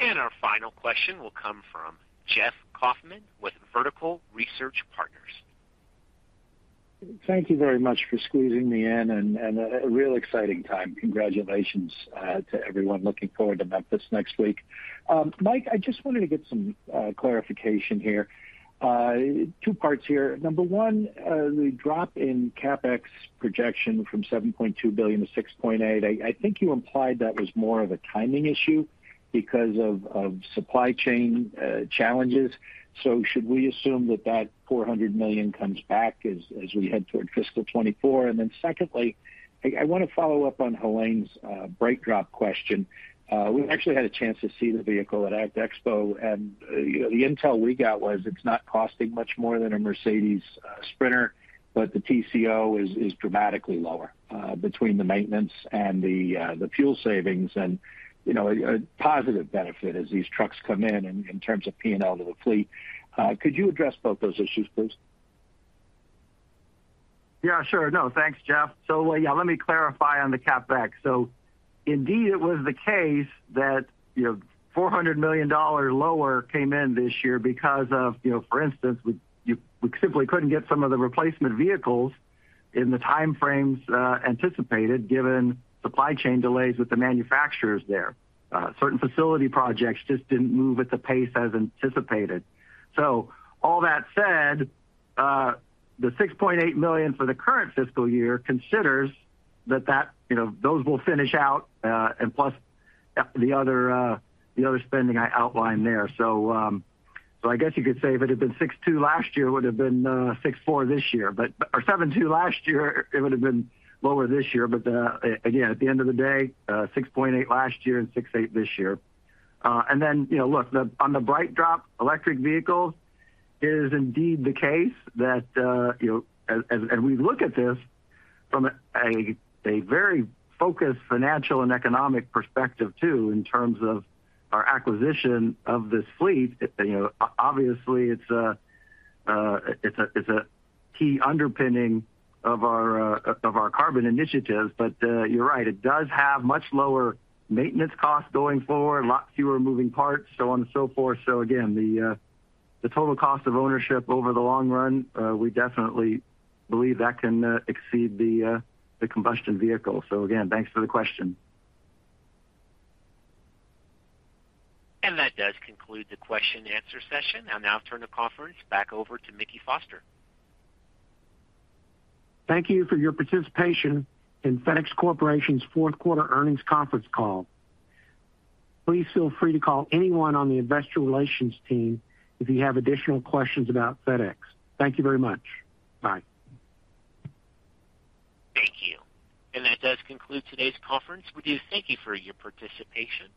Speaker 1: Our final question will come from Jeffrey Kauffman with Vertical Research Partners.
Speaker 15: Thank you very much for squeezing me in. A real exciting time. Congratulations to everyone. Looking forward to Memphis next week. Mike, I just wanted to get some clarification here. Two parts here. Number one, the drop in CapEx projection from $7.2 billion to $6.8 billion. I think you implied that was more of a timing issue because of supply chain challenges. Should we assume that $400 million comes back as we head toward fiscal 2024? Secondly, I wanna follow up on Helane's BrightDrop question. We actually had a chance to see the vehicle at ACT Expo. You know, the intel we got was it's not costing much more than a Mercedes-Benz Sprinter, but the TCO is dramatically lower between the maintenance and the fuel savings and, you know, a positive benefit as these trucks come in in terms of P&L to the fleet. Could you address both those issues, please?
Speaker 5: Yeah, sure. No, thanks, Jeff. Yeah, let me clarify on the CapEx. Indeed it was the case that, you know, $400 million lower came in this year because of, you know, for instance, we simply couldn't get some of the replacement vehicles in the time frames anticipated given supply chain delays with the manufacturers there. Certain facility projects just didn't move at the pace as anticipated. All that said, the $6.8 billion for the current fiscal year considers that, you know, those will finish out, and plus the other spending I outlined there. I guess you could say if it had been $6.2 billion last year, it would have been $6.4 billion this year. Or $7.2 billion last year, it would have been lower this year. Again, at the end of the day, 6.8% last year and 6.8% this year. Then, you know, look, on the BrightDrop electric vehicles, it is indeed the case that we look at this from a very focused financial and economic perspective too in terms of our acquisition of this fleet. Obviously, it's a key underpinning of our carbon initiatives. You're right. It does have much lower maintenance costs going forward, a lot fewer moving parts, so on and so forth. Again, the total cost of ownership over the long run, we definitely believe that can exceed the combustion vehicle. Again, thanks for the question.
Speaker 1: That does conclude the question and answer session. I'll now turn the conference back over to Mickey Foster.
Speaker 2: Thank you for your participation in FedEx Corporation's fourth quarter earnings conference call. Please feel free to call anyone on the investor relations team if you have additional questions about FedEx. Thank you very much. Bye.
Speaker 1: Thank you. That does conclude today's conference. We do thank you for your participation.